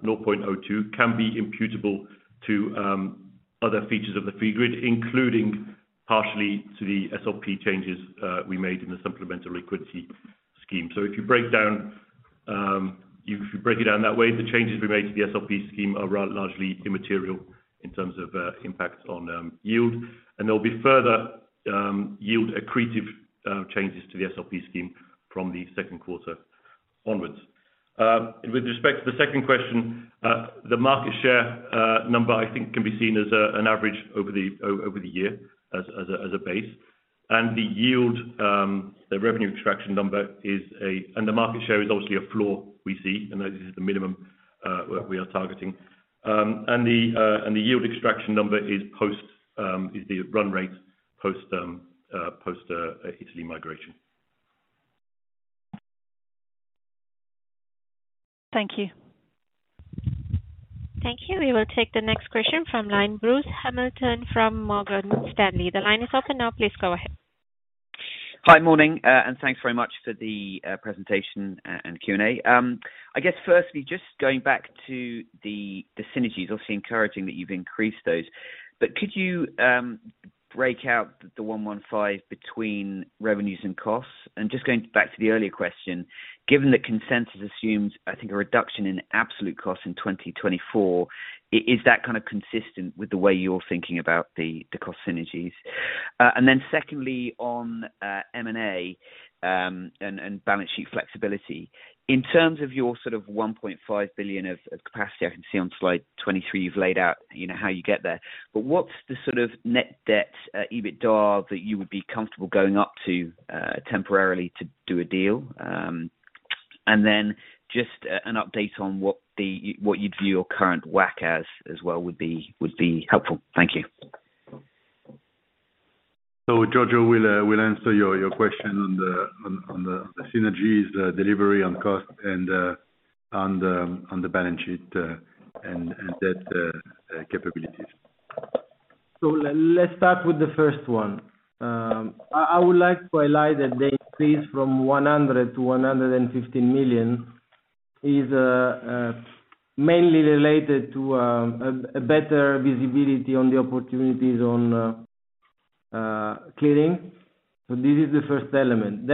0.02 can be imputable to other features of the fee grid, including partially to the SLP changes we made in the supplemental liquidity scheme. If you break down, if you break it down that way, the changes we made to the SLP scheme are largely immaterial in terms of impact on yield. There'll be further, yield accretive, changes to the SLP scheme from the second quarter onwards. With respect to the second question, the market share number, I think can be seen as an average over the over the year as a as a base. The yield, the revenue extraction number is and the market share is obviously a floor we see, and this is the minimum we are targeting. The and the yield extraction number is post, is the run rate post Italy migration. Thank you. Thank you. We will take the next question from line, Bruce Hamilton from Morgan Stanley. The line is open now. Please go ahead. Hi, morning. Thanks very much for the presentation and Q&A. I guess firstly, just going back to the synergies, obviously encouraging that you've increased those. Could you break out the 115 between revenues and costs? Just going back to the earlier question, given that consensus assumes, I think, a reduction in absolute cost in 2024, is that kinda consistent with the way you're thinking about the cost synergies? Then secondly, on M&A, and balance sheet flexibility, in terms of your sort of 1.5 billion of capacity, I can see on slide 23 you've laid out, you know, how you get there, but what's the sort of net debt EBITDA that you would be comfortable going up to temporarily to do a deal? Then just an update on what the, what you'd view your current WACC as well would be, would be helpful. Thank you. Giorgio will answer your question on the synergies, the delivery on cost and on the balance sheet, and that capabilities. I would like to highlight that the increase from 100 million to 150 million is mainly related to a better visibility on the opportunities on clearing. This is the first element.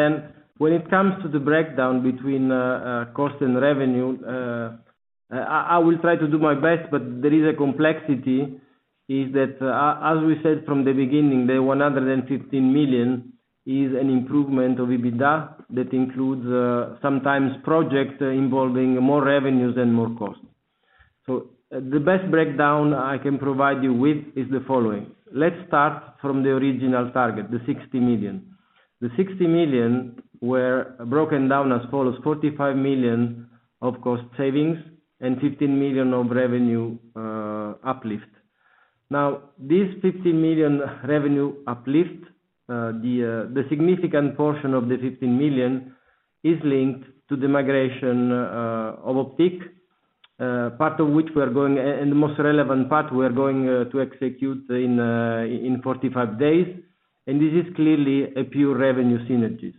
When it comes to the breakdown between cost and revenue, I will try to do my best, but there is a complexity, is that as we said from the beginning, the 150 million is an improvement of EBITDA that includes sometimes projects involving more revenues and more costs. The best breakdown I can provide you with is the following. Let's start from the original target, the 60 million. The 60 million were broken down as follows: 45 million of cost savings and 15 million of revenue uplift. This 15 million revenue uplift, the significant portion of the 15 million is linked to the migration of Optiq, part of which we're going, and the most relevant part we're going to execute in 45 days. This is clearly a pure revenue synergies.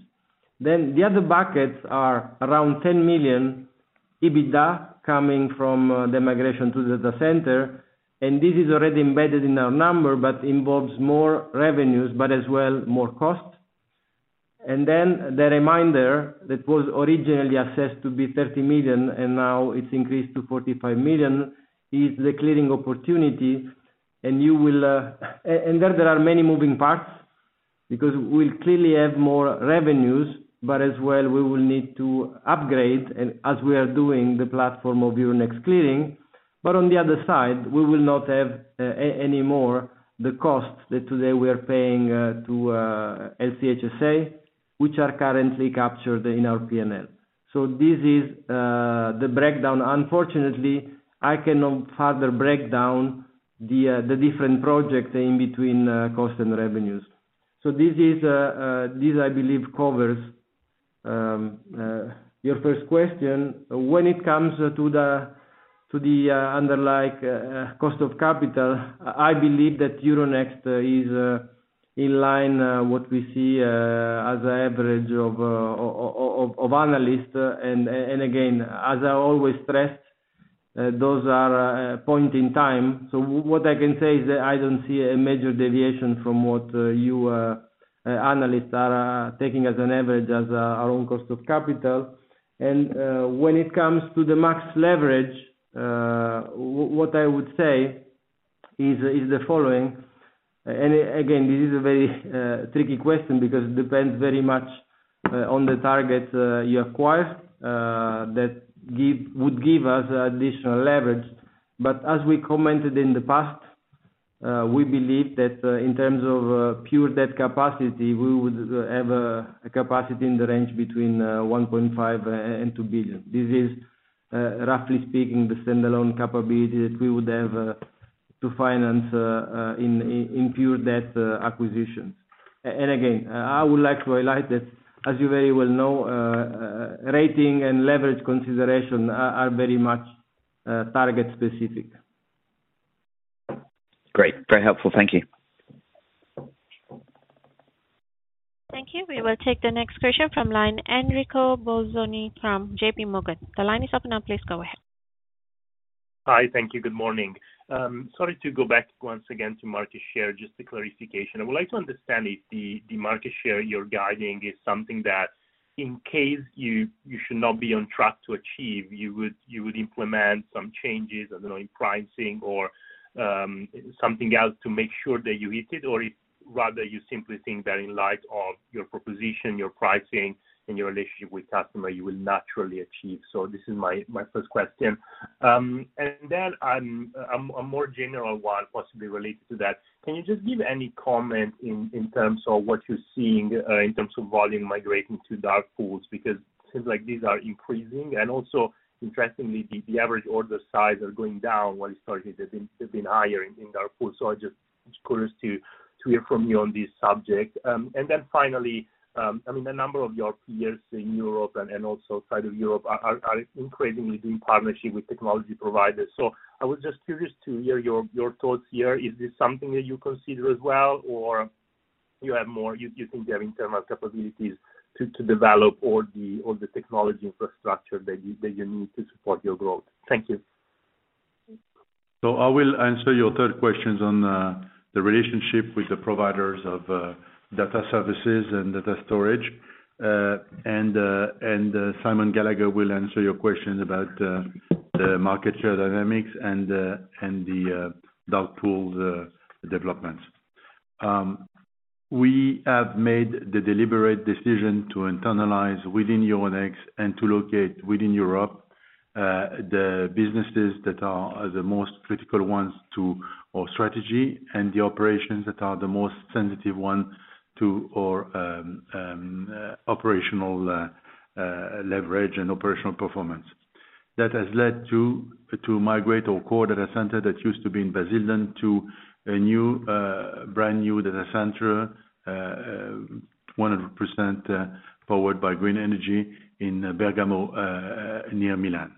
The other buckets are around 10 million EBITDA coming from the migration to the data center. This is already embedded in our number, but involves more revenues, but as well, more cost. The reminder that was originally assessed to be 30 million and now it's increased to 45 million, is the clearing opportunity, you will. There are many moving parts because we'll clearly have more revenues, but as well, we will need to upgrade as we are doing the platform of Euronext Clearing. On the other side, we will not have any more the costs that today we are paying to LCH SA, which are currently captured in our P&L. This is the breakdown. Unfortunately, I cannot further break down the different projects in between cost and revenues. This I believe covers your first question. When it comes to the underlying cost of capital, I believe that Euronext is in line what we see as an average of analysts. Again, as I always stress, those are point in time. What I can say is that I don't see a major deviation from what you analysts are taking as an average as our own cost of capital. When it comes to the max leverage, what I would say is the following. Again, this is a very tricky question because it depends very much on the target you acquire that would give us additional leverage. As we commented in the past, we believe that in terms of pure debt capacity, we would have a capacity in the range between 1.5 billion and 2 billion. This is roughly speaking, the standalone capability that we would have to finance in pure debt acquisition. And again, I would like to highlight that as you very well know, rating and leverage consideration are very much target specific. Great. Very helpful. Thank you. Thank you. We will take the next question from line, Enrico Bolzoni from JPMorgan. The line is open now, please go ahead. Hi. Thank you. Good morning. Sorry to go back once again to market share, just a clarification. I would like to understand if the market share you're guiding is something that in case you should not be on track to achieve, you would implement some changes, I don't know, in pricing or something else to make sure that you hit it, or if rather you simply think that in light of your proposition, your pricing and your relationship with customer, you will naturally achieve. This is my first question. Then a more general one possibly related to that. Can you just give any comment in terms of what you're seeing in terms of volume migrating to dark pools? It seems like these are increasing, and also interestingly, the average order size are going down while historically they've been higher in dark pools. It's good to hear from you on this subject. Finally, I mean, the number of your peers in Europe and also side of Europe are increasingly doing partnership with technology providers. I was just curious to hear your thoughts here. Is this something that you consider as well, or you think you have internal capabilities to develop all the technology infrastructure that you need to support your growth? Thank you. I will answer your third questions on the relationship with the providers of data services and data storage. Simon Gallagher will answer your questions about the market share dynamics and the dark pool developments. We have made the deliberate decision to internalize within Euronext and to locate within Europe, the businesses that are the most critical ones to our strategy and the operations that are the most sensitive one to our operational leverage and operational performance. That has led to migrate our core data center that used to be in Basildon to a new, brand new data center, 100% powered by green energy in Bergamo, near Milan.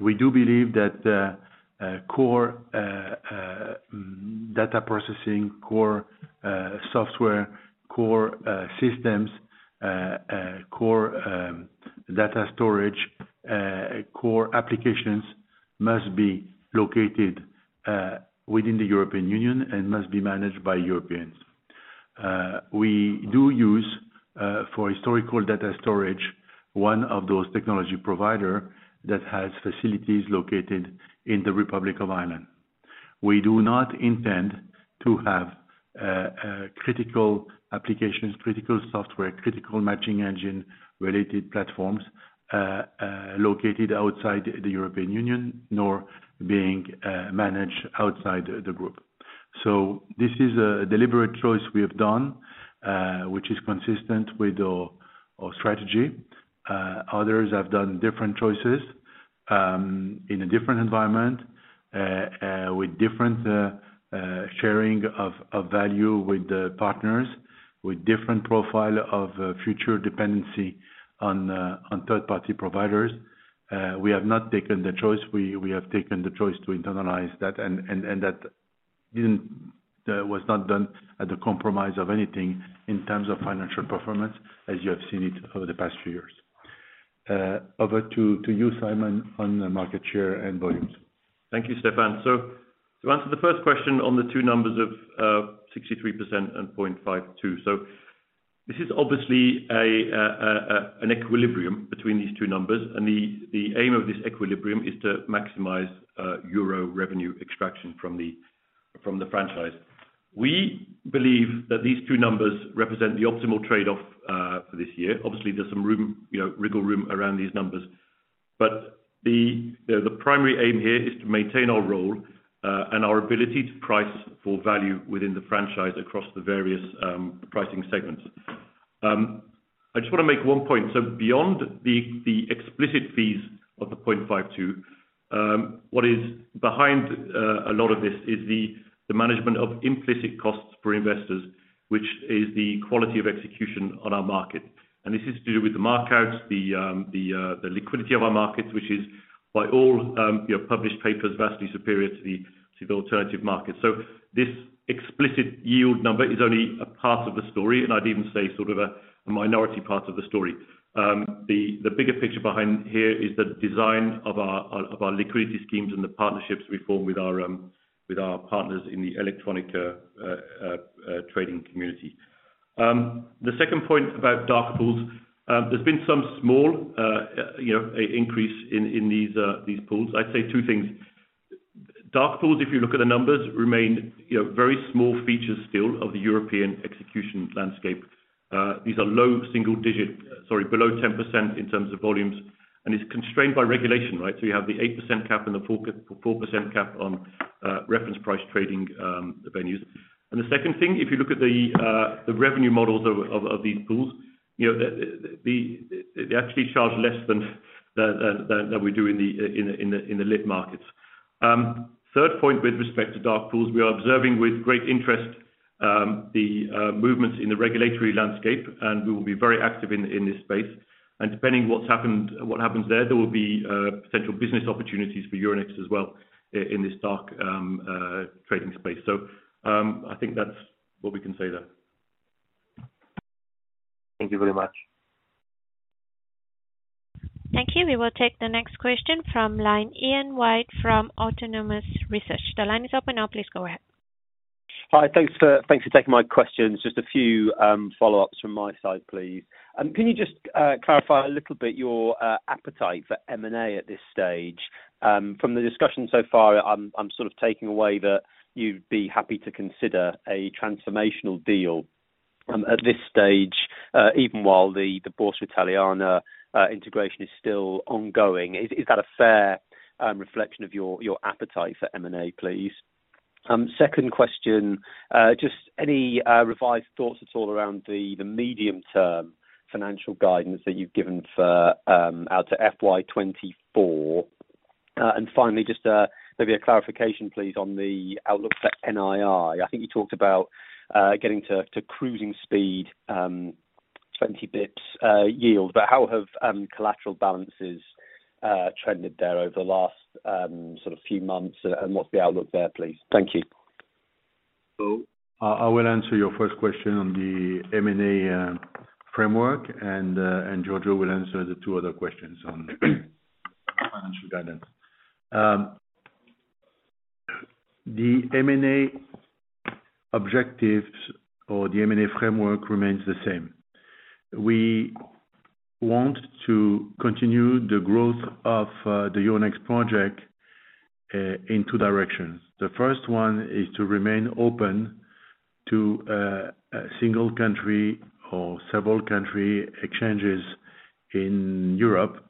We do believe that core data processing, core software, core systems, core data storage, core applications must be located within the European Union and must be managed by Europeans. We do use for historical data storage, one of those technology provider that has facilities located in the Republic of Ireland. We do not intend to have critical applications, critical software, critical matching engine-related platforms located outside the European Union, nor being managed outside the group. This is a deliberate choice we have done, which is consistent with our strategy. Others have done different choices in a different environment with different sharing of value with the partners, with different profile of future dependency on third-party providers. We have not taken the choice. We have taken the choice to internalize that and that was not done at the compromise of anything in terms of financial performance as you have seen it over the past few years. Over to you, Simon, on the market share and volumes. Thank you, Stéphane. To answer the first question on the two numbers of 63% and 0.52. This is obviously an equilibrium between these two numbers. The aim of this equilibrium is to maximize EUR revenue extraction from the franchise. We believe that these two numbers represent the optimal trade-off for this year. Obviously, there's some room, you know, wriggle room around these numbers. The, you know, the primary aim here is to maintain our role and our ability to price for value within the franchise across the various pricing segments. I just want to make one point. Beyond the explicit fees of the 0.52, what is behind a lot of this is the management of implicit costs for investors, which is the quality of execution on our market. This is to do with the markouts, the liquidity of our markets, which is by all, you know, published papers vastly superior to the alternative market. This explicit yield number is only a part of the story, and I'd even say sort of a minority part of the story. The bigger picture behind here is the design of our liquidity schemes and the partnerships we form with our partners in the electronic trading community. The second point about dark pools. There's been some small, you know, increase in these pools. I'd say two things. Dark pools, if you look at the numbers, remain, you know, very small features still of the European execution landscape. These are low single digit below 10% in terms of volumes, and it's constrained by regulation, right? You have the 8% cap and the 4% cap on reference price trading venues. The second thing, if you look at the revenue models of these pools, you know, the, they actually charge less than we do in the lit markets. Third point with respect to dark pools, we are observing with great interest, the movements in the regulatory landscape. We will be very active in this space. Depending what happens there will be potential business opportunities for Euronext as well in this dark trading space. I think that's what we can say there. Thank you very much. Thank you. We will take the next question from line Ian White from Autonomous Research. The line is open now. Please go ahead. Hi. Thanks for taking my questions. Just a few follow-ups from my side, please. Can you just clarify a little bit your appetite for M&A at this stage? From the discussion so far, I'm sort of taking away that you'd be happy to consider a transformational deal at this stage, even while the Borsa Italiana integration is still ongoing. Is that a fair reflection of your appetite for M&A, please? Second question. Just any revised thoughts at all around the medium term-Financial guidance that you've given for out to FY 2024. Finally, just maybe a clarification please, on the outlook for NIR. I think you talked about getting to cruising speed, 20 basis points yield. How have collateral balances trended there over the last sort of few months, and what's the outlook there, please? Thank you. I will answer your first question on the M&A framework, Giorgio will answer the two other questions on financial guidance. The M&A objectives or the M&A framework remains the same. We want to continue the growth of the Euronext project in two directions. The first one is to remain open to a single country or several country exchanges in Europe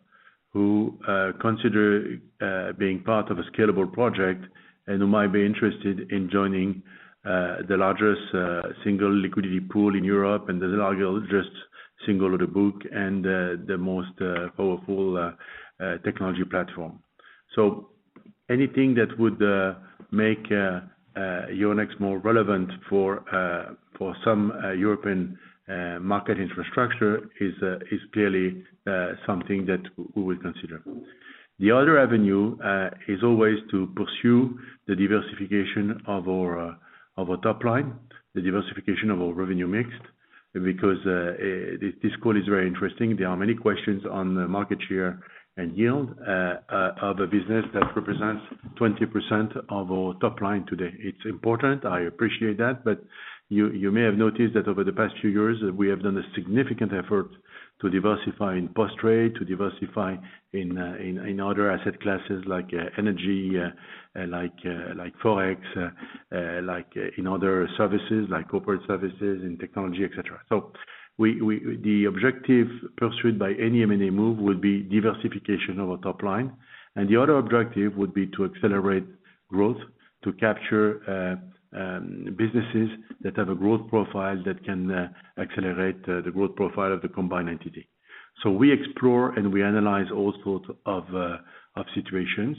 who consider being part of a scalable project and who might be interested in joining the largest single liquidity pool in Europe, and the largest single order book, and the most powerful technology platform. Anything that would make Euronext more relevant for some European market infrastructure is clearly something that we will consider. The other avenue, is always to pursue the diversification of our top line, the diversification of our revenue mix, because, this call is very interesting. There are many questions on the market share and yield, of a business that represents 20% of our top line today. It's important, I appreciate that, but you may have noticed that over the past few years, we have done a significant effort to diversify in post-trade, to diversify in other asset classes like energy, like Forex, like in other services, like corporate services and technology, et cetera. We... the objective pursued by any M&A move will be diversification of our top line, and the other objective would be to accelerate growth, to capture businesses that have a growth profile that can accelerate the growth profile of the combined entity. We explore and we analyze all sorts of situations.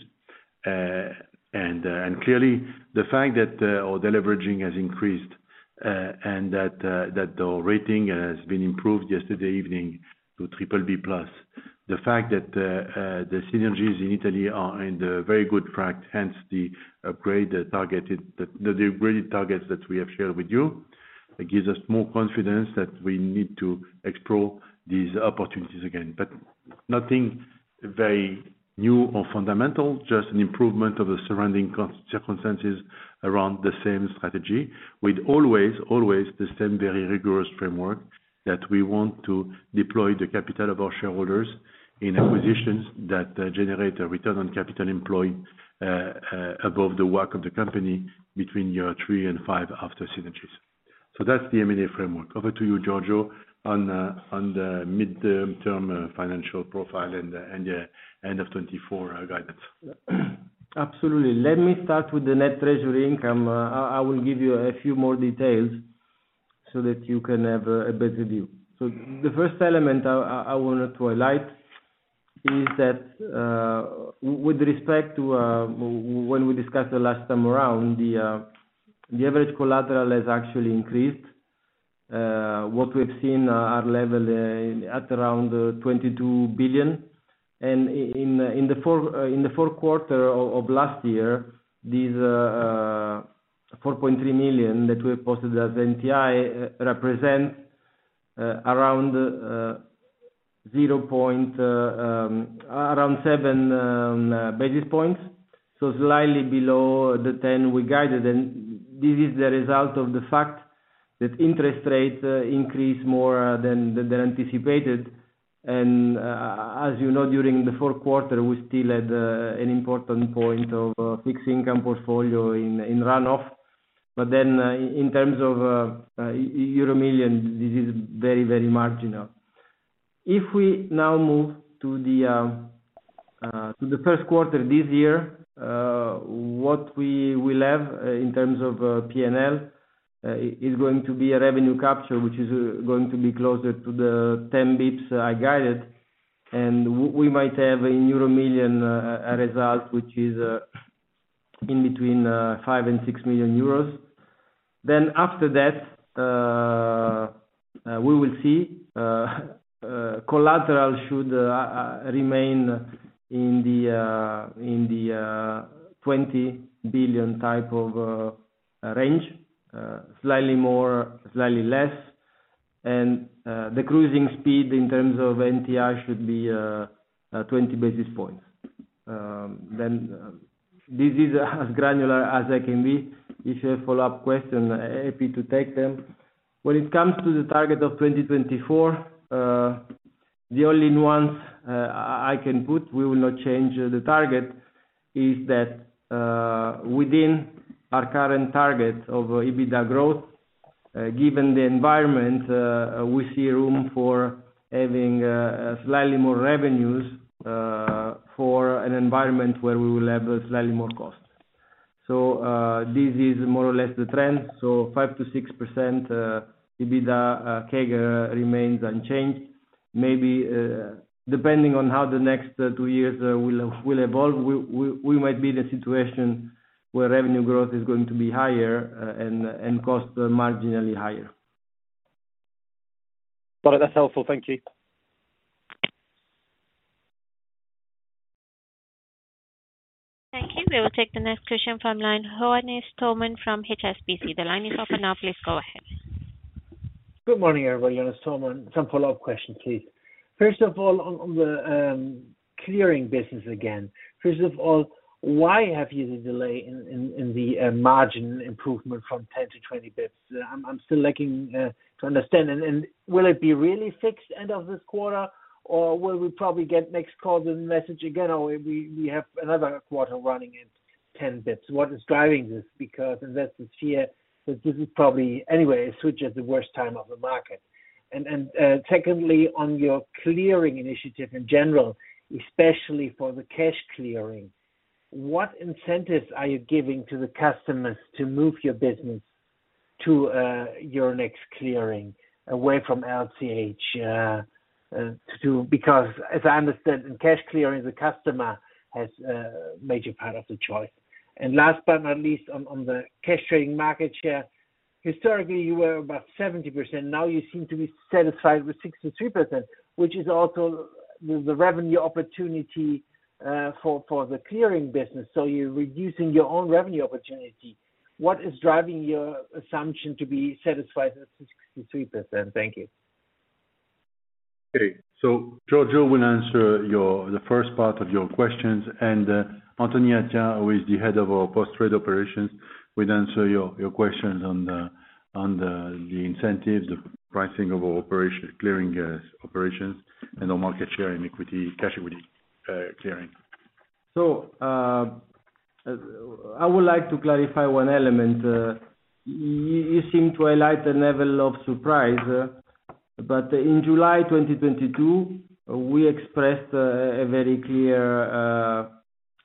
Clearly the fact that our deleveraging has increased and that our rating has been improved yesterday evening to BBB+, the fact that the synergies in Italy are in the very good tract, hence the upgrade, the graded targets that we have shared with you, it gives us more confidence that we need to explore these opportunities again. Nothing very new or fundamental, just an improvement of the surrounding circumstances around the always same very rigorous framework that we want to deploy the capital of our shareholders in acquisitions that generate a return on capital employed above the work of the company between year three and 5 after synergies. That's the M&A framework. Over to you, Giorgio, on the midterm financial profile and the end of 2024 guidance. Absolutely. Let me start with the net treasury income. I will give you a few more details so that you can have a better view. The first element I wanna twilight is that with respect to when we discussed the last time around, the average collateral has actually increased. What we've seen are level at around 22 billion. In the fourth quarter of last year, these 4.3 million that we posted as NTI represent around 7 basis points, so slightly below the 10 we guided. This is the result of the fact that interest rates increase more than anticipated. As you know, during the fourth quarter, we still had an important point of fixed income portfolio in runoff. In terms of EUR million, this is very, very marginal. If we now move to the first quarter this year, what we will have in terms of PNL is going to be a revenue capture, which is going to be closer to the 10 basis points I guided. We might have in euro million a result which is in between 5 million and 6 million. After that, we will see collateral should remain in the 20 billion type of range, slightly more, slightly less The cruising speed in terms of NTI should be 20 basis points. This is as granular as I can be. If you have follow-up question, happy to take them. When it comes to the target of 2024, the only nuance I can put, we will not change the target, is that within our current target of EBITDA growth, given the environment, we see room for having slightly more revenues for an environment where we will have slightly more costs. This is more or less the trend, so 5%-6% will be the CAGR remains unchanged. Maybe, depending on how the next two years will evolve, we might be in a situation where revenue growth is going to be higher, and costs are marginally higher. Got it. That's helpful. Thank you. Thank you. We will take the next question from line, Johannes Thormann from HSBC. The line is open now. Please go ahead. Good morning, everybody. Johannes Thormann. Some follow-up questions, please. First of all, on the clearing business again. First of all, why have you the delay in the margin improvement from 10 to 20 basis points? I'm still lacking to understand. Will it be really fixed end of this quarter, or will we probably get next call the message again or we have another quarter running in 10 basis points. What is driving this? Because that's the fear that this is probably anyway, switch at the worst time of the market. Secondly, on your clearing initiative in general, especially for the cash clearing, what incentives are you giving to the customers to move your business to Euronext Clearing away from LCH to... As I understand, in cash clearing, the customer has a major part of the choice. Last but not least, on the cash trading market share, historically, you were about 70%. Now you seem to be satisfied with 63%, which is also the revenue opportunity for the clearing business. You're reducing your own revenue opportunity. What is driving your assumption to be satisfied with 63%? Thank you. Okay. Giorgio will answer the first part of your questions, and Anthony Attia, who is the head of our post-trade operations, will answer your questions on the incentives, the pricing of our clearing operations, and our market share in equity, cash equity, clearing. I would like to clarify one element. You seem to highlight the level of surprise. In July 2022, we expressed a very clear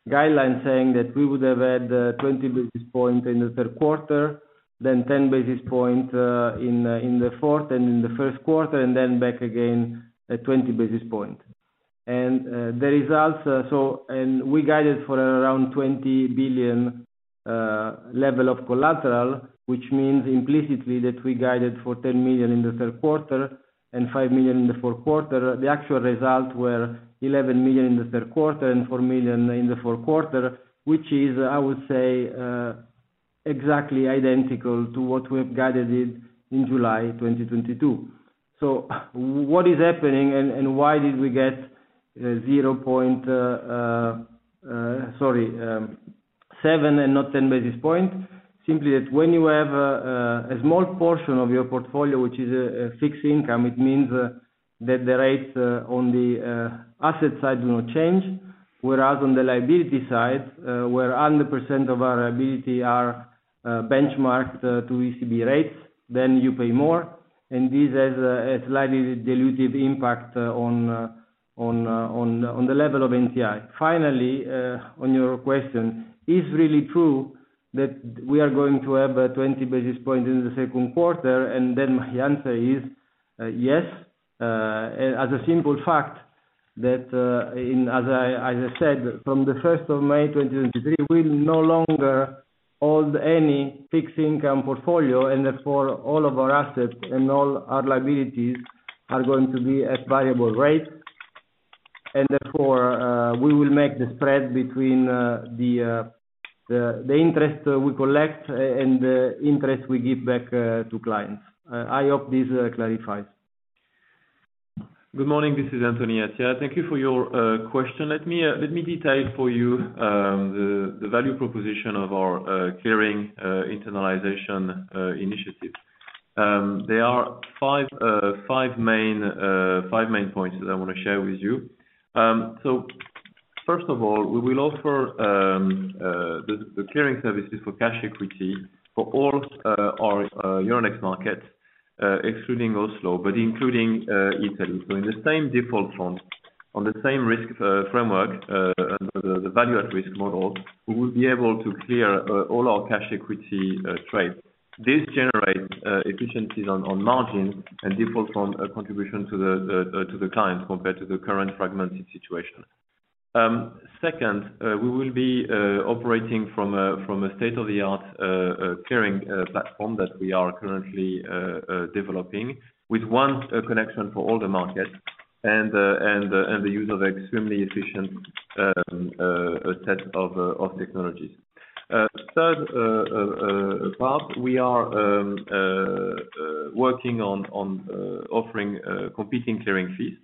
guideline saying that we would have had 20 basis points in the third quarter, then 10 basis points in the fourth and in the first quarter, and then back again at 20 basis points. The results. We guided for around 20 billion level of collateral, which means implicitly that we guided for 10 million in the third quarter and 5 million in the fourth quarter. The actual results were 11 million in the third quarter and 4 million in the fourth quarter, which is, I would say, exactly identical to what we've guided in July 2022. What is happening and why did we get 0.7 and not 10 basis points? Simply that when you have a small portion of your portfolio, which is a fixed income, it means that the rates on the asset side do not change, whereas on the liability side, where 100% of our liability are benchmarked to ECB rates, then you pay more, and this has a slightly dilutive impact on the level of NCI. Finally, on your question, is really true that we are going to have a 20 basis point in the second quarter? My answer is yes. As a simple fact that, as I said, from the first of May 2023, we'll no longer hold any fixed income portfolio, and therefore, all of our assets and all our liabilities are going to be at variable rates. We will make the spread between the interest we collect and the interest we give back to clients. I hope this clarifies. Good morning. This is Anthony Attia. Thank you for your question. Let me detail for you the value proposition of our clearing internalization initiative. There are five main points that I wanna share with you. First of all, we will offer the clearing services for cash equity for all our Euronext markets, excluding Oslo, but including Italy. In the same default form, on the same risk framework, the Value at Risk model, we will be able to clear all our cash equity trades. This generates efficiencies on margin and default from a contribution to the client compared to the current fragmented situation. Second, we will be operating from a state-of-the-art clearing platform that we are currently developing with one connection for all the markets and the use of extremely efficient set of technologies. Third, part we are working on offering competing clearing fees.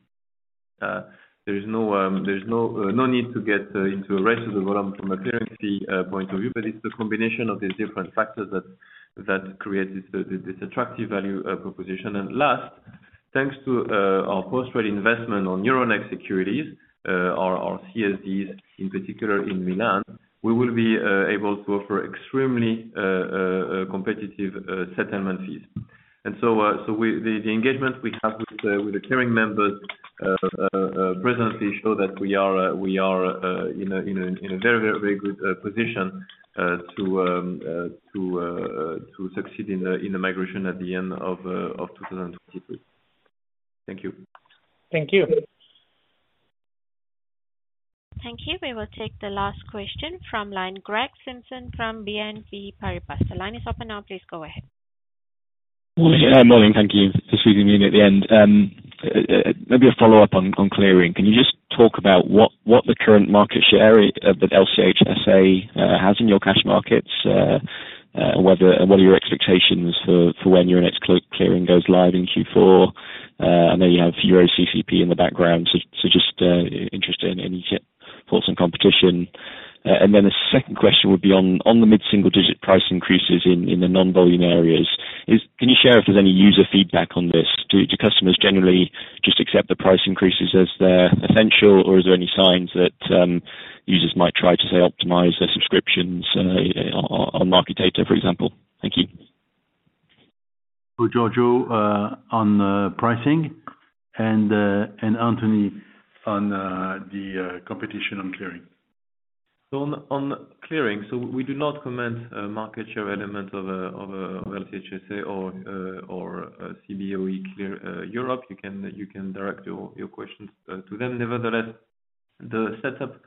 There's no, there's no need to get into rest of the volume from a clearing fee point of view, but it's the combination of these different factors that create this attractive value proposition. Last, thanks to our post-trade investment on Euronext Securities, our CSDs in particular in Milan, we will be able to offer extremely competitive settlement fees. The engagement we have with the clearing members presently show that we are in a very good position to succeed in the migration at the end of 2022. Thank you. Thank you. Thank you. We will take the last question from line, Greg Simpson from BNP Paribas. The line is open now. Please go ahead. Morning. Thank you for speaking with me at the end. Maybe a follow-up on clearing. Can you just talk about what the current market share of LCH SA has in your cash markets? What are your expectations for when Euronext Clearing goes live in Q4? You have your OCCP in the background, just interested in any reports and competition. The second question would be on the mid-single-digit price increases in the non-volume areas, can you share if there's any user feedback on this? Do customers generally just accept the price increases as they're essential, or is there any signs that users might try to, say, optimize their subscriptions on market data, for example? Thank you. To Giorgio, on pricing and Anthony on the competition on clearing. On clearing. We do not comment market share element of LCH SA or Cboe Clear Europe. You can direct your questions to them. Nevertheless, the setup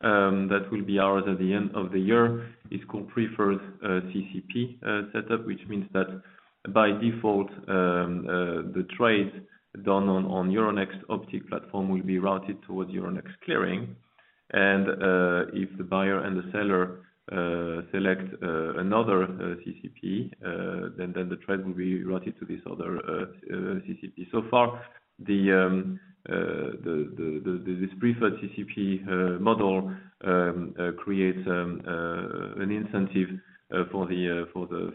that will be ours at the end of the year is called preferred CCP setup, which means that by default, the trades done on Euronext Optiq platform will be routed towards Euronext Clearing. If the buyer and the seller select another CCP, the trade will be routed to this other CCP. Far, this preferred CCP model creates an incentive for the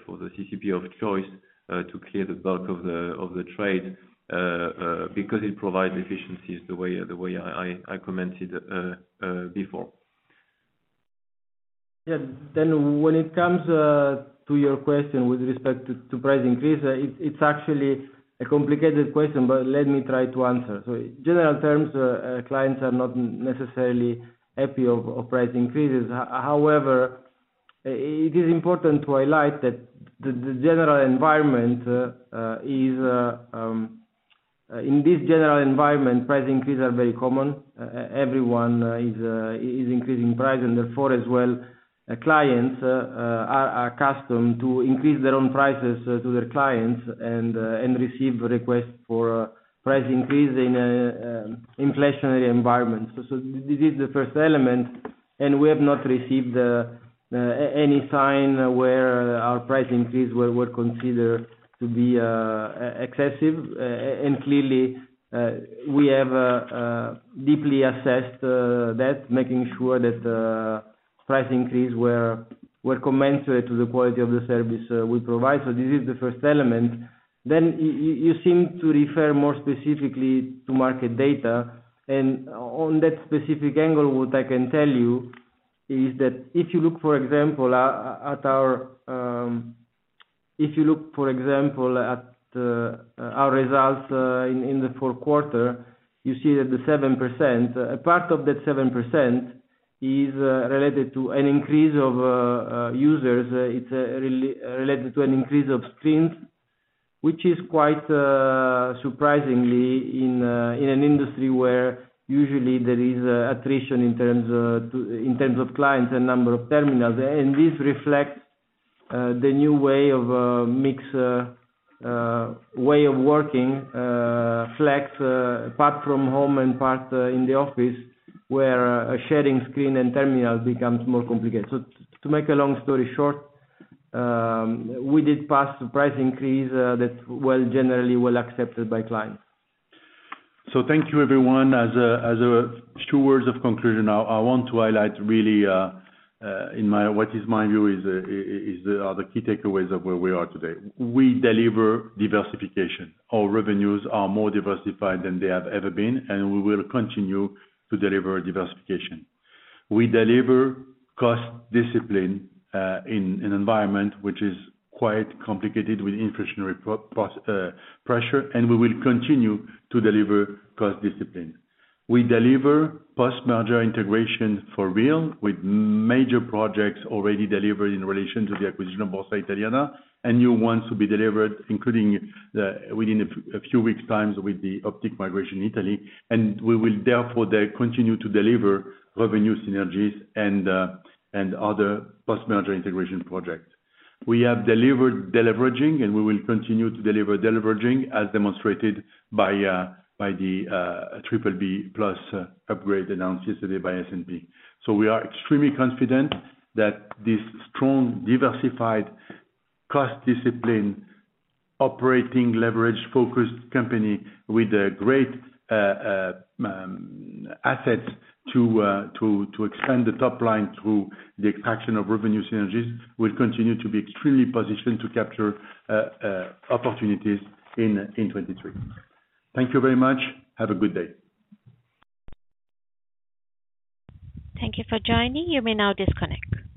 CCP of choice to clear the bulk of the trade because it provides efficiencies the way I commented before. When it comes to your question with respect to price increase, it's actually a complicated question, but let me try to answer. In general terms, clients are not necessarily happy of price increases. However, it is important to highlight that the general environment is in this general environment, price increase are very common. Everyone is increasing price, and therefore, as well, clients are accustomed to increase their own prices to their clients and receive requests for price increase in inflationary environment. This is the first element, and we have not received any sign where our price increase were considered to be excessive. Clearly, we have deeply assessed that, making sure that price increase were commensurate to the quality of the service we provide. This is the first element. Then you seem to refer more specifically to market data. On that specific angle, what I can tell you is that if you look for example, at our, if you look, for example at our results in the fourth quarter, you see that the 7%. A part of that 7% is related to an increase of users. It's related to an increase of streams, which is quite surprisingly in an industry where usually there is attrition in terms to in terms of clients and number of terminals. This reflects the new way of mix way of working, flex part from home and part in the office, where a sharing screen and terminal becomes more complicated. To make a long story short, we did pass the price increase that was generally well accepted by clients. Thank you everyone. As two words of conclusion, I want to highlight really, in my view, is the key takeaways of where we are today. We deliver diversification. Our revenues are more diversified than they have ever been, and we will continue to deliver diversification. We deliver cost discipline in an environment which is quite complicated with inflationary pressure, and we will continue to deliver cost discipline. We deliver post-merger integration for real, with major projects already delivered in relation to the acquisition of Borsa Italiana, and new ones will be delivered, including within a few weeks' time with the Optiq migration in Italy. We will therefore continue to deliver revenue synergies and other post-merger integration projects. We have delivered deleveraging, and we will continue to deliver deleveraging as demonstrated by the BBB+ upgrade announced yesterday by S&P. We are extremely confident that this strong, diversified cost discipline, operating leveraged-focused company with a great assets to expand the top line through the expansion of revenue synergies, will continue to be extremely positioned to capture opportunities in 23. Thank you very much. Have a good day. Thank you for joining. You may now disconnect.